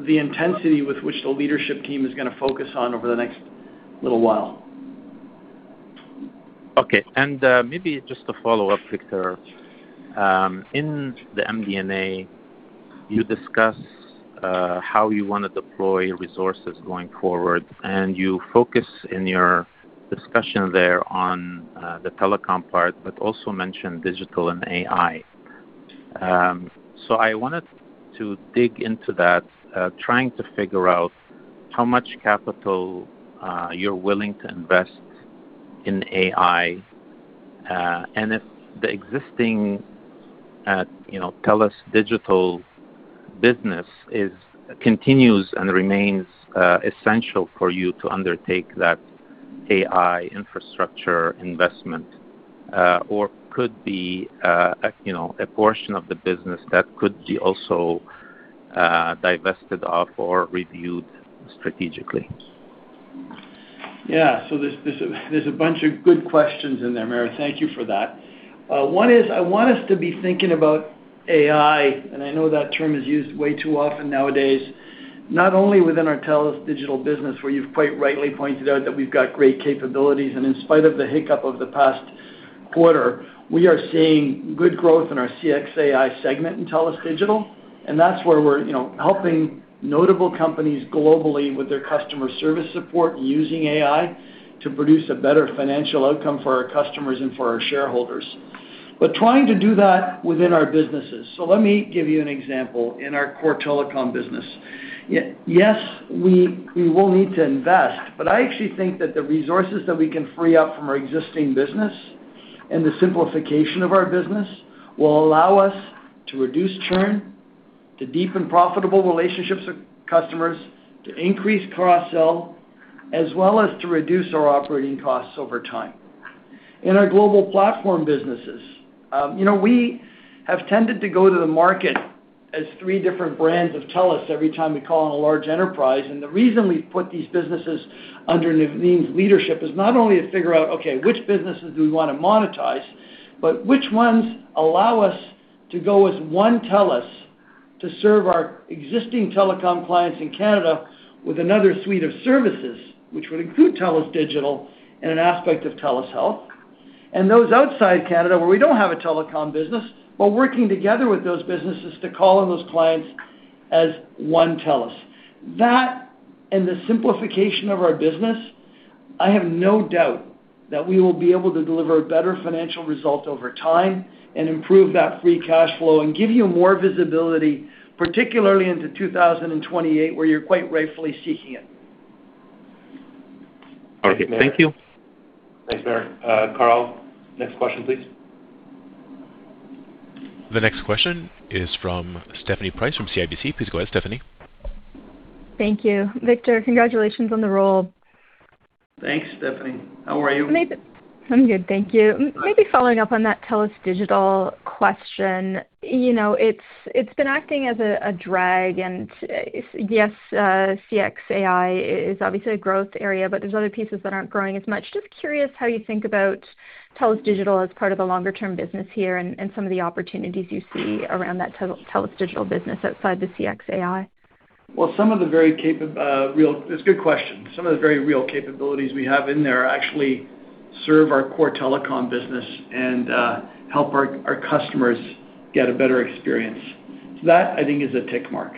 the intensity with which the leadership team is going to focus on over the next little while. Okay. Maybe just a follow-up, Victor. In the MD&A, you discuss how you want to deploy resources going forward, and you focus in your discussion there on the telecom part, but also mention digital and AI. I wanted to dig into that, trying to figure out how much capital you're willing to invest in AI, and if the existing TELUS Digital business continues and remains essential for you to undertake that AI infrastructure investment or could be a portion of the business that could be also divested of or reviewed strategically. Yeah. There's a bunch of good questions in there, Maher. Thank you for that. One is, I want us to be thinking about AI, and I know that term is used way too often nowadays, not only within our TELUS Digital business, where you've quite rightly pointed out that we've got great capabilities. In spite of the hiccup of the past quarter, we are seeing good growth in our CX AI segment in TELUS Digital, and that's where we're helping notable companies globally with their customer service support using AI to produce a better financial outcome for our customers and for our shareholders. Trying to do that within our businesses. Let me give you an example. In our core telecom business, yes, we will need to invest, but I actually think that the resources that we can free up from our existing business and the simplification of our business will allow us to reduce churn, to deepen profitable relationships with customers, to increase cross-sell, as well as to reduce our operating costs over time. In our global platform businesses, we have tended to go to the market as three different brands of TELUS every time we call on a large enterprise. The reason we've put these businesses under Navin's leadership is not only to figure out, okay, which businesses do we want to monetize, but which ones allow us to go as one TELUS to serve our existing telecom clients in Canada with another suite of services, which would include TELUS Digital and an aspect of TELUS Health. Those outside Canada where we don't have a telecom business, but working together with those businesses to call on those clients as one TELUS. That and the simplification of our business, I have no doubt that we will be able to deliver better financial results over time and improve that free cash flow and give you more visibility, particularly into 2028, where you're quite rightfully seeking it. Thank you. Thanks, Maher. Carl, next question, please. The next question is from Stephanie Price from CIBC. Please go ahead, Stephanie. Thank you. Victor, congratulations on the role. Thanks, Stephanie. How are you? I'm good, thank you. Maybe following up on that TELUS Digital question. It's been acting as a drag, and yes, CX AI is obviously a growth area, but there's other pieces that aren't growing as much. Just curious how you think about TELUS Digital as part of the longer-term business here and some of the opportunities you see around that TELUS Digital business outside the CX AI. Well, it's a good question. Some of the very real capabilities we have in there actually serve our core telecom business and help our customers get a better experience. That, I think, is a tick mark.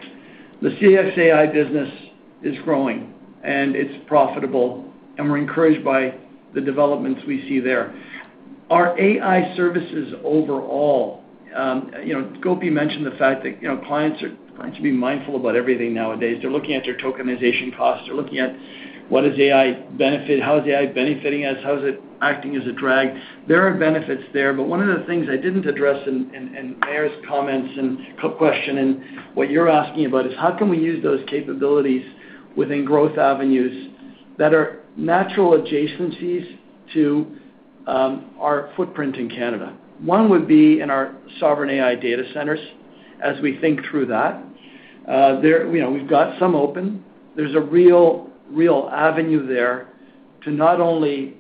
The CX AI business is growing, and it's profitable, and we're encouraged by the developments we see there. Our AI services overall, Gopi mentioned the fact that clients are trying to be mindful about everything nowadays. They're looking at their tokenization costs. They're looking at what is AI benefit, how is AI benefiting us, how is it acting as a drag. There are benefits there, but one of the things I didn't address in Maher's comments and question and what you're asking about is how can we use those capabilities within growth avenues that are natural adjacencies to our footprint in Canada. One would be in our sovereign AI data centers, as we think through that. We've got some open. There's a real avenue there to not only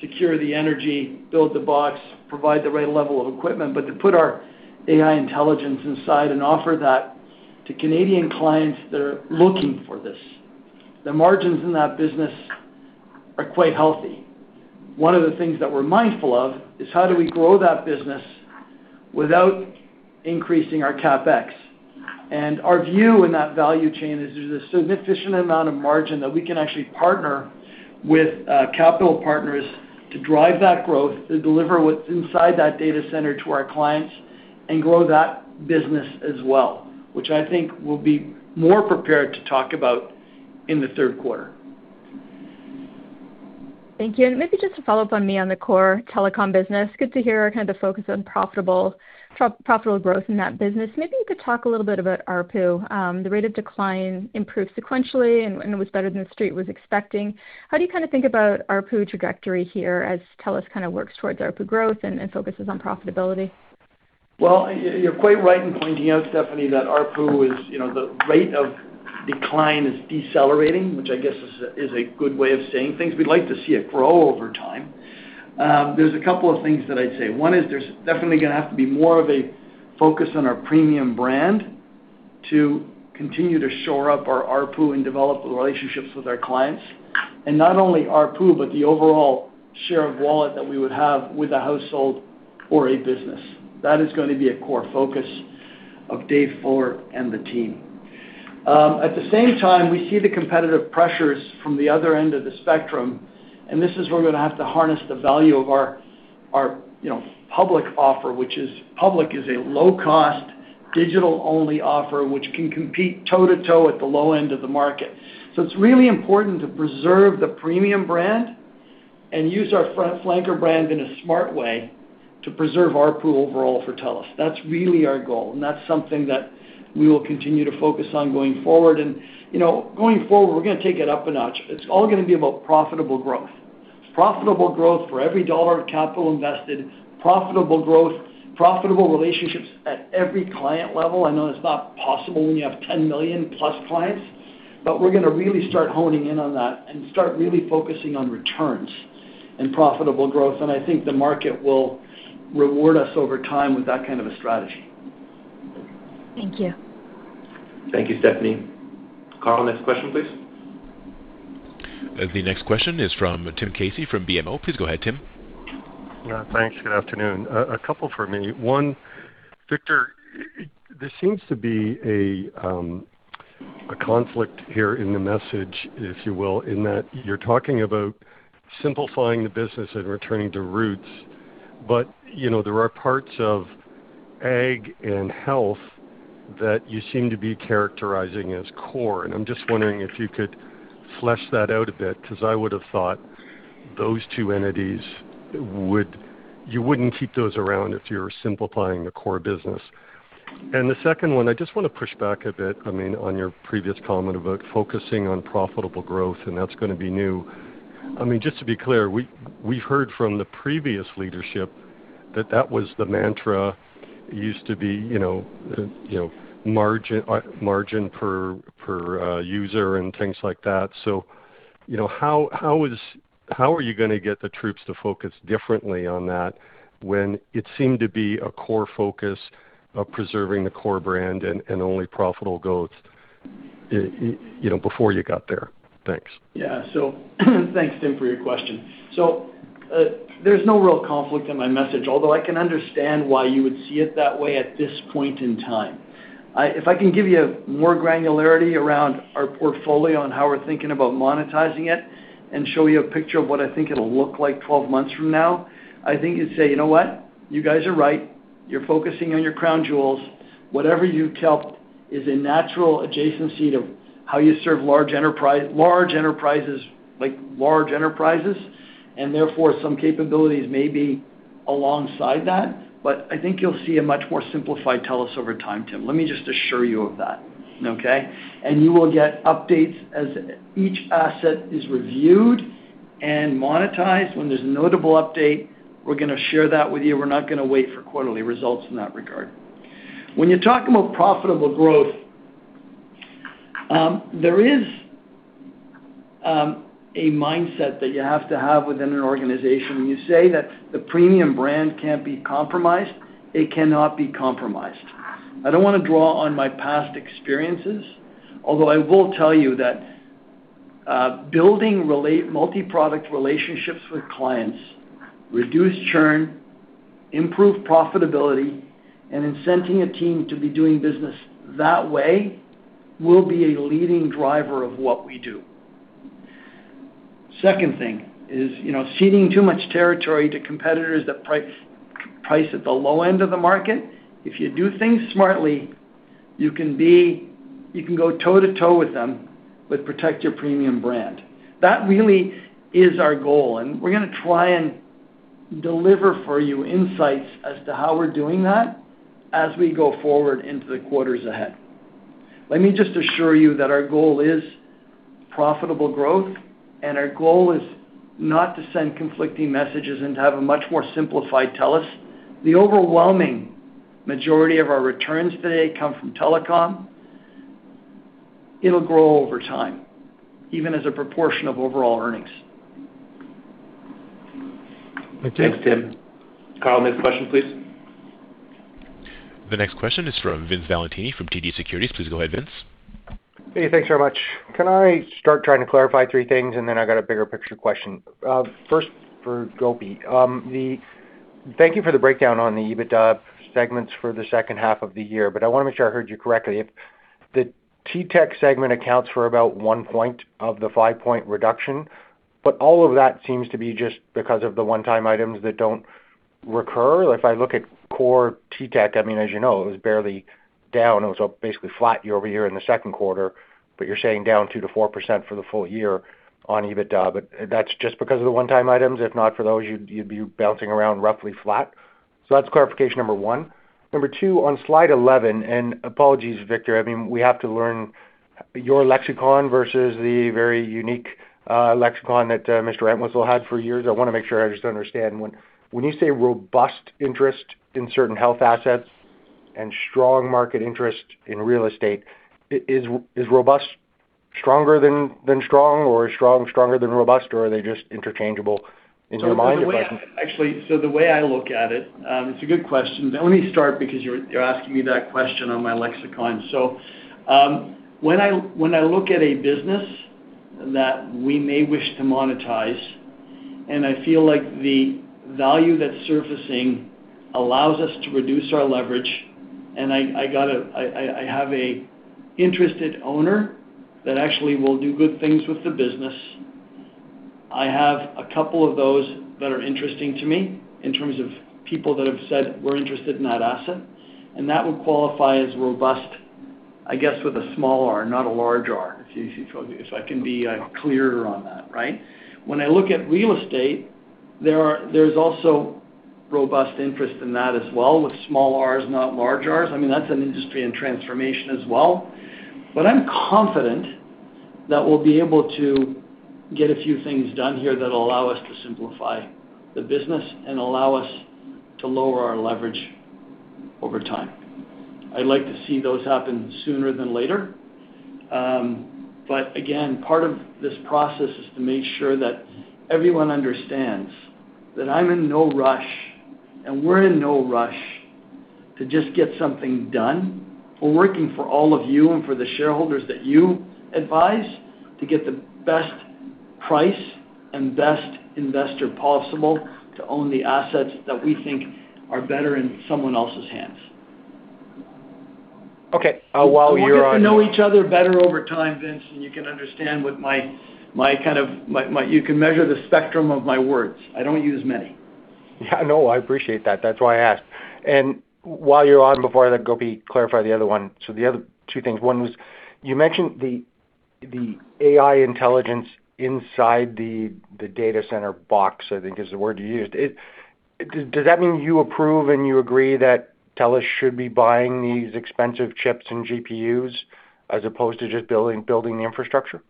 secure the energy, build the box, provide the right level of equipment, but to put our AI intelligence inside and offer that to Canadian clients that are looking for this. The margins in that business are quite healthy. One of the things that we're mindful of is how do we grow that business without increasing our CapEx. Our view in that value chain is there's a significant amount of margin that we can actually partner with capital partners to drive that growth, to deliver what's inside that data center to our clients, and grow that business as well, which I think we'll be more prepared to talk about in the third quarter. Thank you. Maybe just to follow up on me on the core telecom business, good to hear kind of the focus on profitable growth in that business. Maybe you could talk a little bit about ARPU. The rate of decline improved sequentially and was better than the Street was expecting. How do you think about ARPU trajectory here as TELUS works towards ARPU growth and focuses on profitability? Well, you're quite right in pointing out, Stephanie, that ARPU is the rate of decline is decelerating, which I guess is a good way of saying things. We'd like to see it grow over time. There's a couple of things that I'd say. One is there's definitely going to have to be more of a focus on our premium brand to continue to shore up our ARPU and develop the relationships with our clients. Not only ARPU, but the overall share of wallet that we would have with a household or a business. That is going to be a core focus of Dave Fuller and the team. At the same time, we see the competitive pressures from the other end of the spectrum. This is where we're going to have to harness the value of our Public Mobile offer, which is Public Mobile is a low-cost digital-only offer, which can compete toe-to-toe at the low end of the market. It's really important to preserve the premium brand and use our flanker brand in a smart way to preserve ARPU overall for TELUS. That's really our goal. That's something that we will continue to focus on going forward. Going forward, we're going to take it up a notch. It's all going to be about profitable growth. Profitable growth for every CAD of capital invested, profitable growth, profitable relationships at every client level. I know that's not possible when you have 10+ million clients. We're going to really start honing in on that and start really focusing on returns and profitable growth. I think the market will reward us over time with that kind of a strategy. Thank you. Thank you, Stephanie. Carl, next question, please. The next question is from Tim Casey from BMO. Please go ahead, Tim. Thanks. Good afternoon. A couple from me. One, Victor, there seems to be a conflict here in the message, if you will, in that you're talking about simplifying the business and returning to roots. There are parts of TELUS Agriculture & Consumer Goods and TELUS Health that you seem to be characterizing as core. I'm just wondering if you could flesh that out a bit, because I would have thought those two entities, you wouldn't keep those around if you're simplifying the core business. The second one, I just want to push back a bit on your previous comment about focusing on profitable growth, and that's going to be new. Just to be clear, we've heard from the previous leadership that that was the mantra used to be, margin per user and things like that. How are you going to get the troops to focus differently on that when it seemed to be a core focus of preserving the core brand and only profitable growth before you got there? Thanks. Thanks, Tim, for your question. There's no real conflict in my message, although I can understand why you would see it that way at this point in time. If I can give you more granularity around our portfolio and how we're thinking about monetizing it and show you a picture of what I think it'll look like 12 months from now, I think you'd say, "You know what? You guys are right. You're focusing on your crown jewels. Whatever you kept is a natural adjacency to how you serve large enterprises like large enterprises, and therefore some capabilities may be alongside that." I think you'll see a much more simplified TELUS over time, Tim. Let me just assure you of that. Okay? You will get updates as each asset is reviewed and monetized. When there's a notable update, we're going to share that with you. We're not going to wait for quarterly results in that regard. When you're talking about profitable growth, there is a mindset that you have to have within an organization. When you say that the premium brand can't be compromised, it cannot be compromised. I don't want to draw on my past experiences, although I will tell you that building multi-product relationships with clients, reduce churn, improve profitability, and incenting a team to be doing business that way will be a leading driver of what we do. Second thing is, ceding too much territory to competitors that price at the low end of the market. If you do things smartly, you can go toe-to-toe with them, but protect your premium brand. That really is our goal, and we're going to try and deliver for you insights as to how we're doing that as we go forward into the quarters ahead. Let me just assure you that our goal is profitable growth, our goal is not to send conflicting messages and to have a much more simplified TELUS. The overwhelming majority of our returns today come from telecom. It'll grow over time, even as a proportion of overall earnings. Okay. Thanks, Tim. Carl, next question, please. The next question is from Vince Valentini from TD Securities. Please go ahead, Vince. Hey, thanks very much. Can I start trying to clarify three things? Then I've got a bigger picture question. First for Gopi. Thank you for the breakdown on the EBITDA segments for the second half of the year, I want to make sure I heard you correctly. If the TTech segment accounts for about one point of the five-point reduction, all of that seems to be just because of the one-time items that don't recur. If I look at core TTech, as you know, it was barely down. It was basically flat year-over-year in the second quarter, you're saying down 2%-4% for the full year on EBITDA. That's just because of the one-time items. If not for those, you'd be bouncing around roughly flat. That's clarification number one. Number two, on slide 11, apologies, Victor, we have to learn your lexicon versus the very unique lexicon that Mr. Entwistle had for years. I want to make sure I just understand. When you say robust interest in certain health assets and strong market interest in real estate, is robust stronger than strong, or is strong stronger than robust, or are they just interchangeable in your mind? The way I look at it's a good question. Let me start because you're asking me that question on my lexicon. When I look at a business that we may wish to monetize, I feel like the value that's surfacing allows us to reduce our leverage, I have a interested owner that actually will do good things with the business. I have a couple of those that are interesting to me in terms of people that have said, "We're interested in that asset," that would qualify as robust, I guess, with a small R, not a large R. If I can be clearer on that, right? When I look at real estate, there's also robust interest in that as well with small Rs, not large Rs. That's an industry in transformation as well. I'm confident that we'll be able to get a few things done here that allow us to simplify the business and allow us to lower our leverage over time. I'd like to see those happen sooner than later. Again, part of this process is to make sure that everyone understands that I'm in no rush, and we're in no rush to just get something done. We're working for all of you and for the shareholders that you advise to get the best price and best investor possible to own the assets that we think are better in someone else's hands. Okay. While you're on— We're getting to know each other better over time, Vince. You can measure the spectrum of my words. I don't use many. Yeah, I know. I appreciate that. That's why I asked. While you're on, before I let Gopi clarify the other one, the other two things. One was, you mentioned the AI intelligence inside the data center box, I think is the word you used. Does that mean you approve and you agree that TELUS should be buying these expensive chips and GPUs as opposed to just building the infrastructure?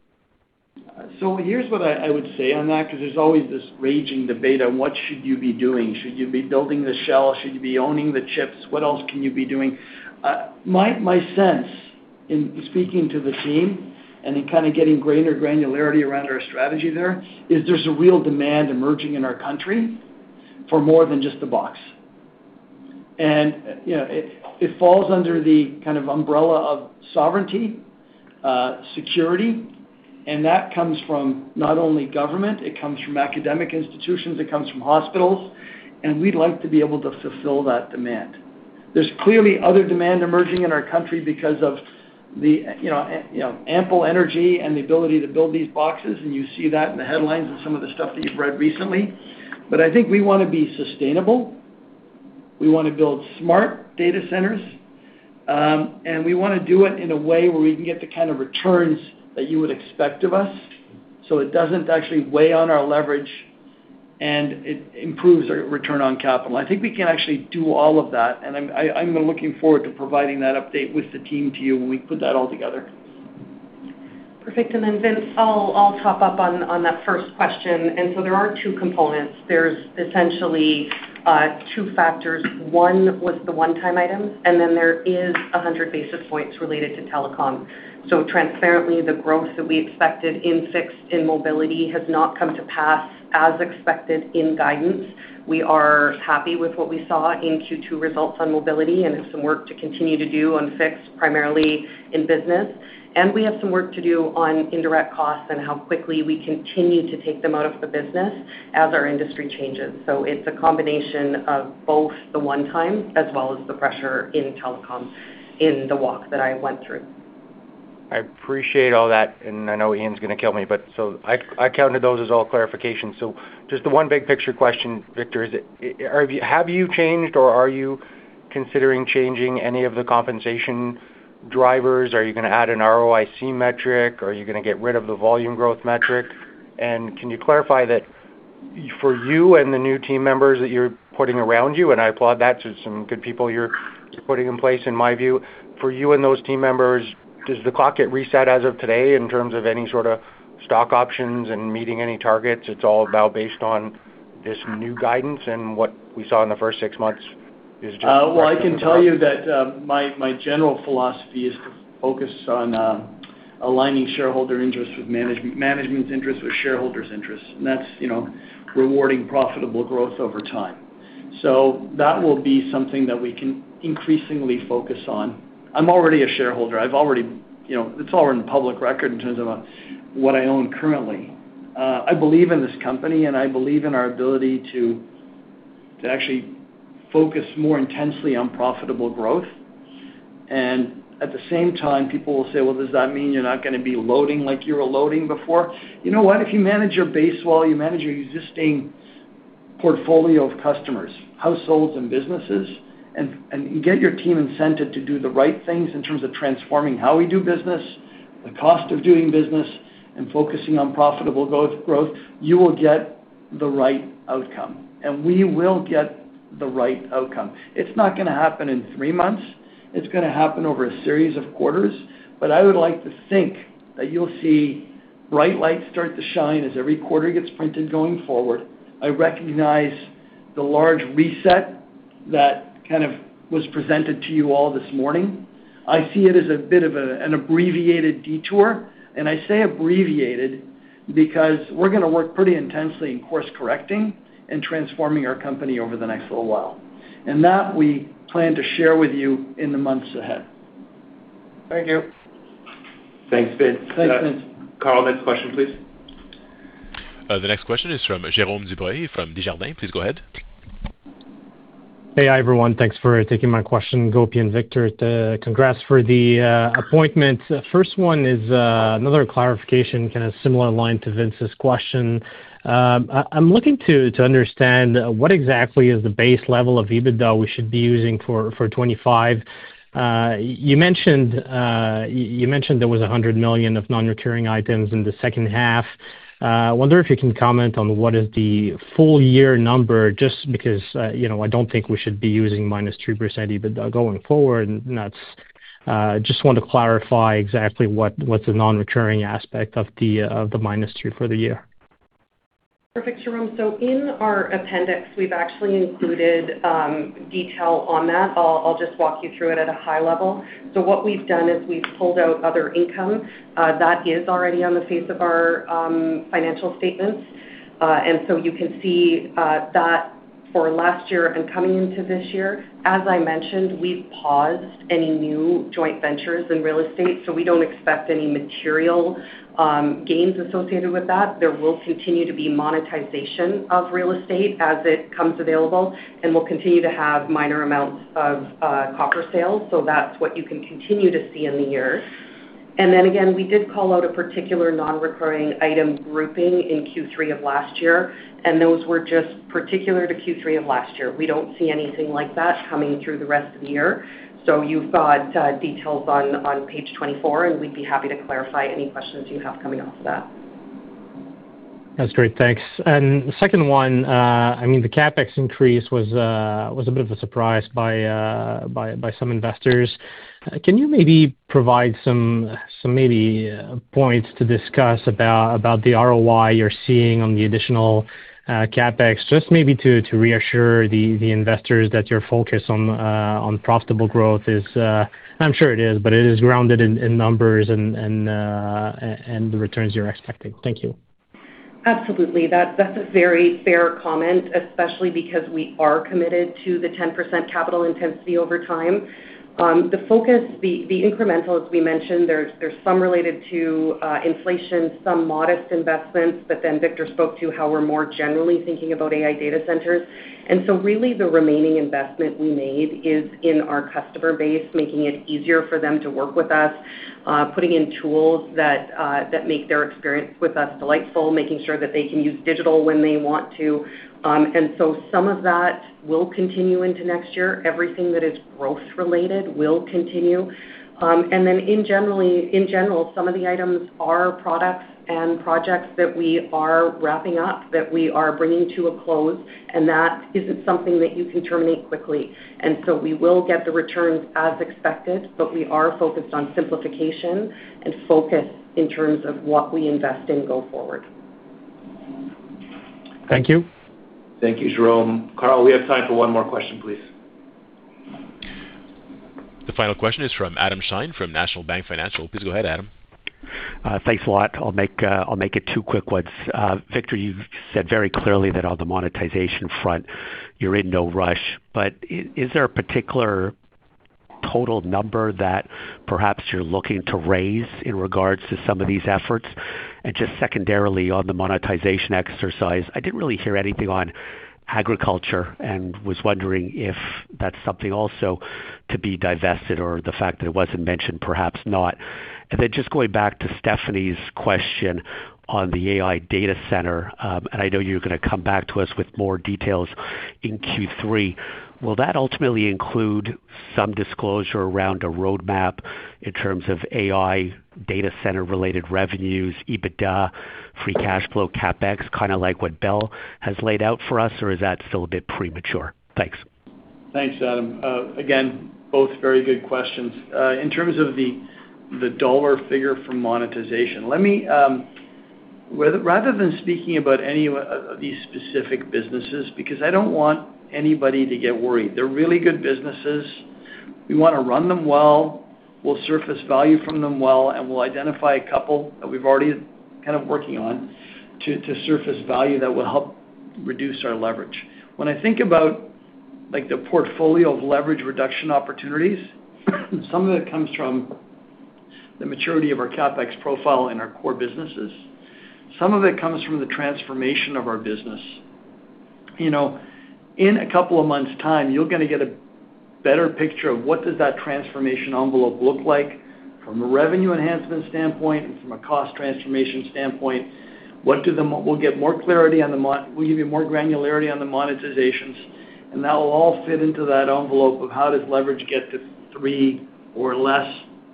Here's what I would say on that, because there's always this raging debate on what should you be doing. Should you be building the shell? Should you be owning the chips? What else can you be doing? My sense, in speaking to the team and in kind of getting greater granularity around our strategy there, is there's a real demand emerging in our country for more than just the box. It falls under the kind of umbrella of sovereignty, security, and that comes from not only government. It comes from academic institutions. It comes from hospitals, and we'd like to be able to fulfill that demand. There's clearly other demand emerging in our country because of the ample energy and the ability to build these boxes, and you see that in the headlines and some of the stuff that you've read recently. I think we want to be sustainable. We want to build smart data centers, and we want to do it in a way where we can get the kind of returns that you would expect of us so it doesn't actually weigh on our leverage and it improves our return on capital. I think we can actually do all of that, and I'm looking forward to providing that update with the team to you when we put that all together. Perfect. Vince, I'll top up on that first question. There are two components. There's essentially two factors. One was the one-time items, and then there is 100 basis points related to telecom. Transparently, the growth that we expected in fixed, in mobility has not come to pass as expected in guidance. We are happy with what we saw in Q2 results on mobility and have some work to continue to do on fixed, primarily in business. We have some work to do on indirect costs and how quickly we continue to take them out of the business as our industry changes. It's a combination of both the one-time as well as the pressure in telecom in the walk that I went through. I appreciate all that, and I know Ian's gonna kill me, but so I counted those as all clarification. Just the one big picture question, Victor, is have you changed or are you considering changing any of the compensation drivers? Are you gonna add an ROIC metric or are you gonna get rid of the volume growth metric? Can you clarify that for you and the new team members that you're putting around you, and I applaud that to some good people you're putting in place, in my view. For you and those team members, does the clock get reset as of today in terms of any sort of stock options and meeting any targets? It's all about based on this new guidance and what we saw in the first six months. Well, I can tell you that my general philosophy is to focus on aligning management's interest with shareholders' interests, and that's rewarding profitable growth over time. That will be something that we can increasingly focus on. I'm already a shareholder. It's all in public record in terms of what I own currently. I believe in this company, and I believe in our ability to actually focus more intensely on profitable growth. At the same time, people will say, "Well, does that mean you're not gonna be loading like you were loading before?" You know what? If you manage your base while you manage your existing portfolio of customers, households, and businesses, and you get your team incented to do the right things in terms of transforming how we do business, the cost of doing business, and focusing on profitable growth, you will get the right outcome, and we will get the right outcome. It's not going to happen in three months. It's going to happen over a series of quarters. I would like to think that you'll see bright lights start to shine as every quarter gets printed going forward. I recognize the large reset that was presented to you all this morning. I see it as a bit of an abbreviated detour, and I say abbreviated because we're going to work pretty intensely in course-correcting and transforming our company over the next little while. That, we plan to share with you in the months ahead. Thank you. Thanks, Vince. Thanks, Vince. Carl, next question, please. The next question is from Jérome Dubreuil from Desjardins. Please go ahead. Hey. Hi, everyone. Thanks for taking my question. Gopi and Victor, congrats for the appointment. First one is another clarification, kind of similar line to Vince's question. I'm looking to understand what exactly is the base level of EBITDA we should be using for 2025. You mentioned there was 100 million of non-recurring items in the second half. I wonder if you can comment on what is the full year number, just because I don't think we should be using -3% EBITDA going forward. I just want to clarify exactly what's the non-recurring aspect of the -3% for the year. Perfect, Jérome. In our appendix, we've actually included detail on that. I'll just walk you through it at a high level. What we've done is we've pulled out other income that is already on the face of our financial statements. You can see that for last year and coming into this year, as I mentioned, we've paused any new joint ventures in real estate, so we don't expect any material gains associated with that. There will continue to be monetization of real estate as it comes available, and we'll continue to have minor amounts of copper sales. That's what you can continue to see in the year. Then again, we did call out a particular non-recurring item grouping in Q3 of last year, and those were just particular to Q3 of last year. We don't see anything like that coming through the rest of the year. You've got details on page 24, we'd be happy to clarify any questions you have coming off of that. That's great. Thanks. The second one, the CapEx increase was a bit of a surprise by some investors. Can you maybe provide some maybe points to discuss about the ROI you're seeing on the additional CapEx, just maybe to reassure the investors that your focus on profitable growth is I'm sure it is, but it is grounded in numbers and the returns you're expecting. Thank you. Absolutely. That's a very fair comment, especially because we are committed to the 10% capital intensity over time. The focus, the incremental, as we mentioned, there's some related to inflation, some modest investments, Victor spoke to how we're more generally thinking about AI data centers. Really the remaining investment we made is in our customer base, making it easier for them to work with us, putting in tools that make their experience with us delightful, making sure that they can use digital when they want to. Some of that will continue into next year. Everything that is growth related will continue. In general, some of the items are products and projects that we are wrapping up, that we are bringing to a close, and that isn't something that you can terminate quickly. We will get the returns as expected, we are focused on simplification and focus in terms of what we invest in go forward. Thank you. Thank you, Jérome. Carl, we have time for one more question, please. The final question is from Adam Shine from National Bank Financial. Please go ahead, Adam. Thanks a lot. I'll make it two quick ones. Victor, you've said very clearly that on the monetization front, you're in no rush, but is there a particular total number that perhaps you're looking to raise in regards to some of these efforts? Just secondarily, on the monetization exercise, I didn't really hear anything on agriculture and was wondering if that's something also to be divested or the fact that it wasn't mentioned, perhaps not. Just going back to Stephanie's question on the AI data center, I know you're going to come back to us with more details in Q3. Will that ultimately include some disclosure around a roadmap in terms of AI data center related revenues, EBITDA, free cash flow, CapEx, kind of like what Bell has laid out for us, or is that still a bit premature? Thanks. Thanks, Adam. Again, both very good questions. In terms of the dollar figure for monetization, rather than speaking about any of these specific businesses, because I don't want anybody to get worried. They're really good businesses. We want to run them well. We'll surface value from them well, and we'll identify a couple that we're already kind of working on to surface value that will help reduce our leverage. When I think about the portfolio of leverage reduction opportunities, some of it comes from the maturity of our CapEx profile in our core businesses. Some of it comes from the transformation of our business. In a couple of months' time, you're going to get a better picture of what does that transformation envelope look like from a revenue enhancement standpoint and from a cost transformation standpoint. We'll give you more granularity on the monetizations. That will all fit into that envelope of how does leverage get to 3x or less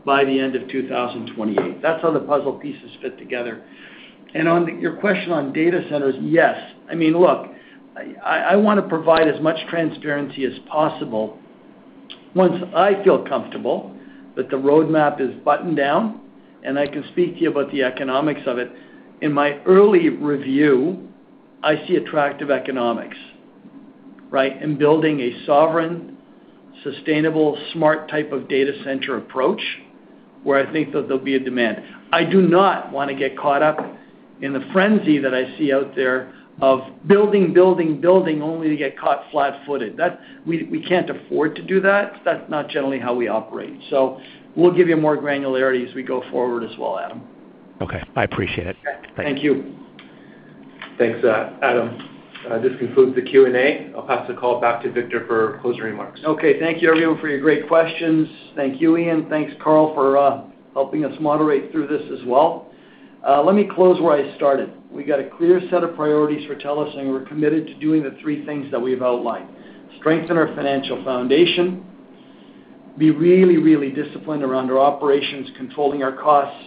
by the end of 2028. That's how the puzzle pieces fit together. On your question on data centers, yes. Look, I want to provide as much transparency as possible once I feel comfortable that the roadmap is buttoned down and I can speak to you about the economics of it. In my early review, I see attractive economics, right? In building a sovereign, sustainable, smart type of data center approach, where I think that there'll be a demand. I do not want to get caught up in the frenzy that I see out there of building, building only to get caught flat-footed. We can't afford to do that. That's not generally how we operate. We'll give you more granularity as we go forward as well, Adam. Okay. I appreciate it. Okay. Thank you. Thanks, Adam. This concludes the Q&A. I'll pass the call back to Victor for closing remarks. Okay. Thank you everyone for your great questions. Thank you, Ian. Thanks, Carl, for helping us moderate through this as well. Let me close where I started. We got a clear set of priorities for TELUS, and we're committed to doing the three things that we've outlined: strengthen our financial foundation, be really, really disciplined around our operations, controlling our costs,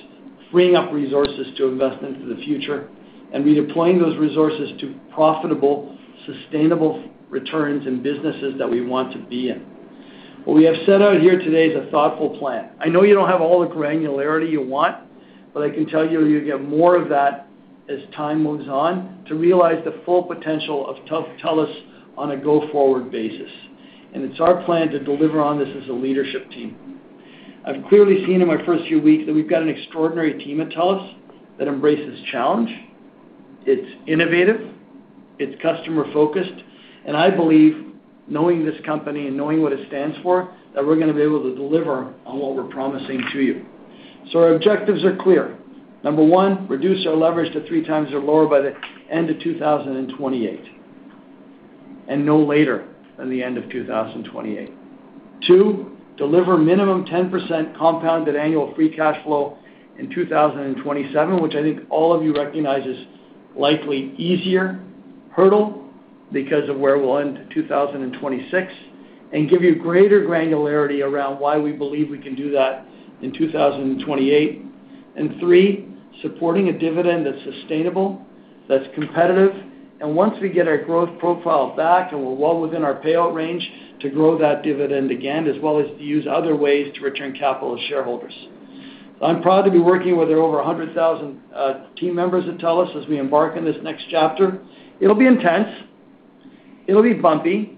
freeing up resources to invest into the future, and redeploying those resources to profitable, sustainable returns in businesses that we want to be in. What we have set out here today is a thoughtful plan. I know you don't have all the granularity you want, but I can tell you'll get more of that as time moves on to realize the full potential of TELUS on a go-forward basis. It's our plan to deliver on this as a leadership team. I've clearly seen in my first few weeks that we've got an extraordinary team at TELUS that embraces challenge. It's innovative, it's customer-focused, and I believe, knowing this company and knowing what it stands for, that we're going to be able to deliver on what we're promising to you. Our objectives are clear. Number one, reduce our leverage to 3x or lower by the end of 2028, and no later than the end of 2028. Two, deliver minimum 10% compounded annual free cash flow in 2027, which I think all of you recognize is likely easier hurdle because of where we'll end 2026, and give you greater granularity around why we believe we can do that in 2028. Three, supporting a dividend that's sustainable, that's competitive, and once we get our growth profile back and we're well within our payout range, to grow that dividend again, as well as to use other ways to return capital to shareholders. I'm proud to be working with over 100,000 team members at TELUS as we embark on this next chapter. It'll be intense, it'll be bumpy,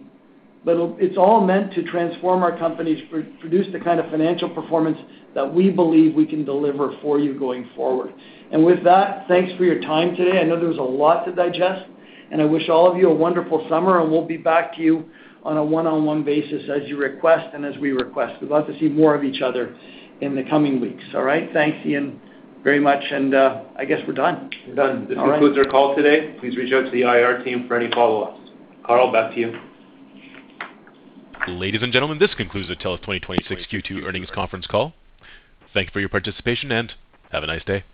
but it's all meant to transform our company to produce the kind of financial performance that we believe we can deliver for you going forward. With that, thanks for your time today. I know there's a lot to digest, and I wish all of you a wonderful summer, and we'll be back to you on a one-on-one basis as you request and as we request. We'd love to see more of each other in the coming weeks. All right? Thanks, Ian, very much, and I guess we're done. We're done. All right. This concludes our call today. Please reach out to the IR team for any follow-ups. Carl, back to you. Ladies and gentlemen, this concludes the TELUS 2026 Q2 earnings conference call. Thank you for your participation and have a nice day.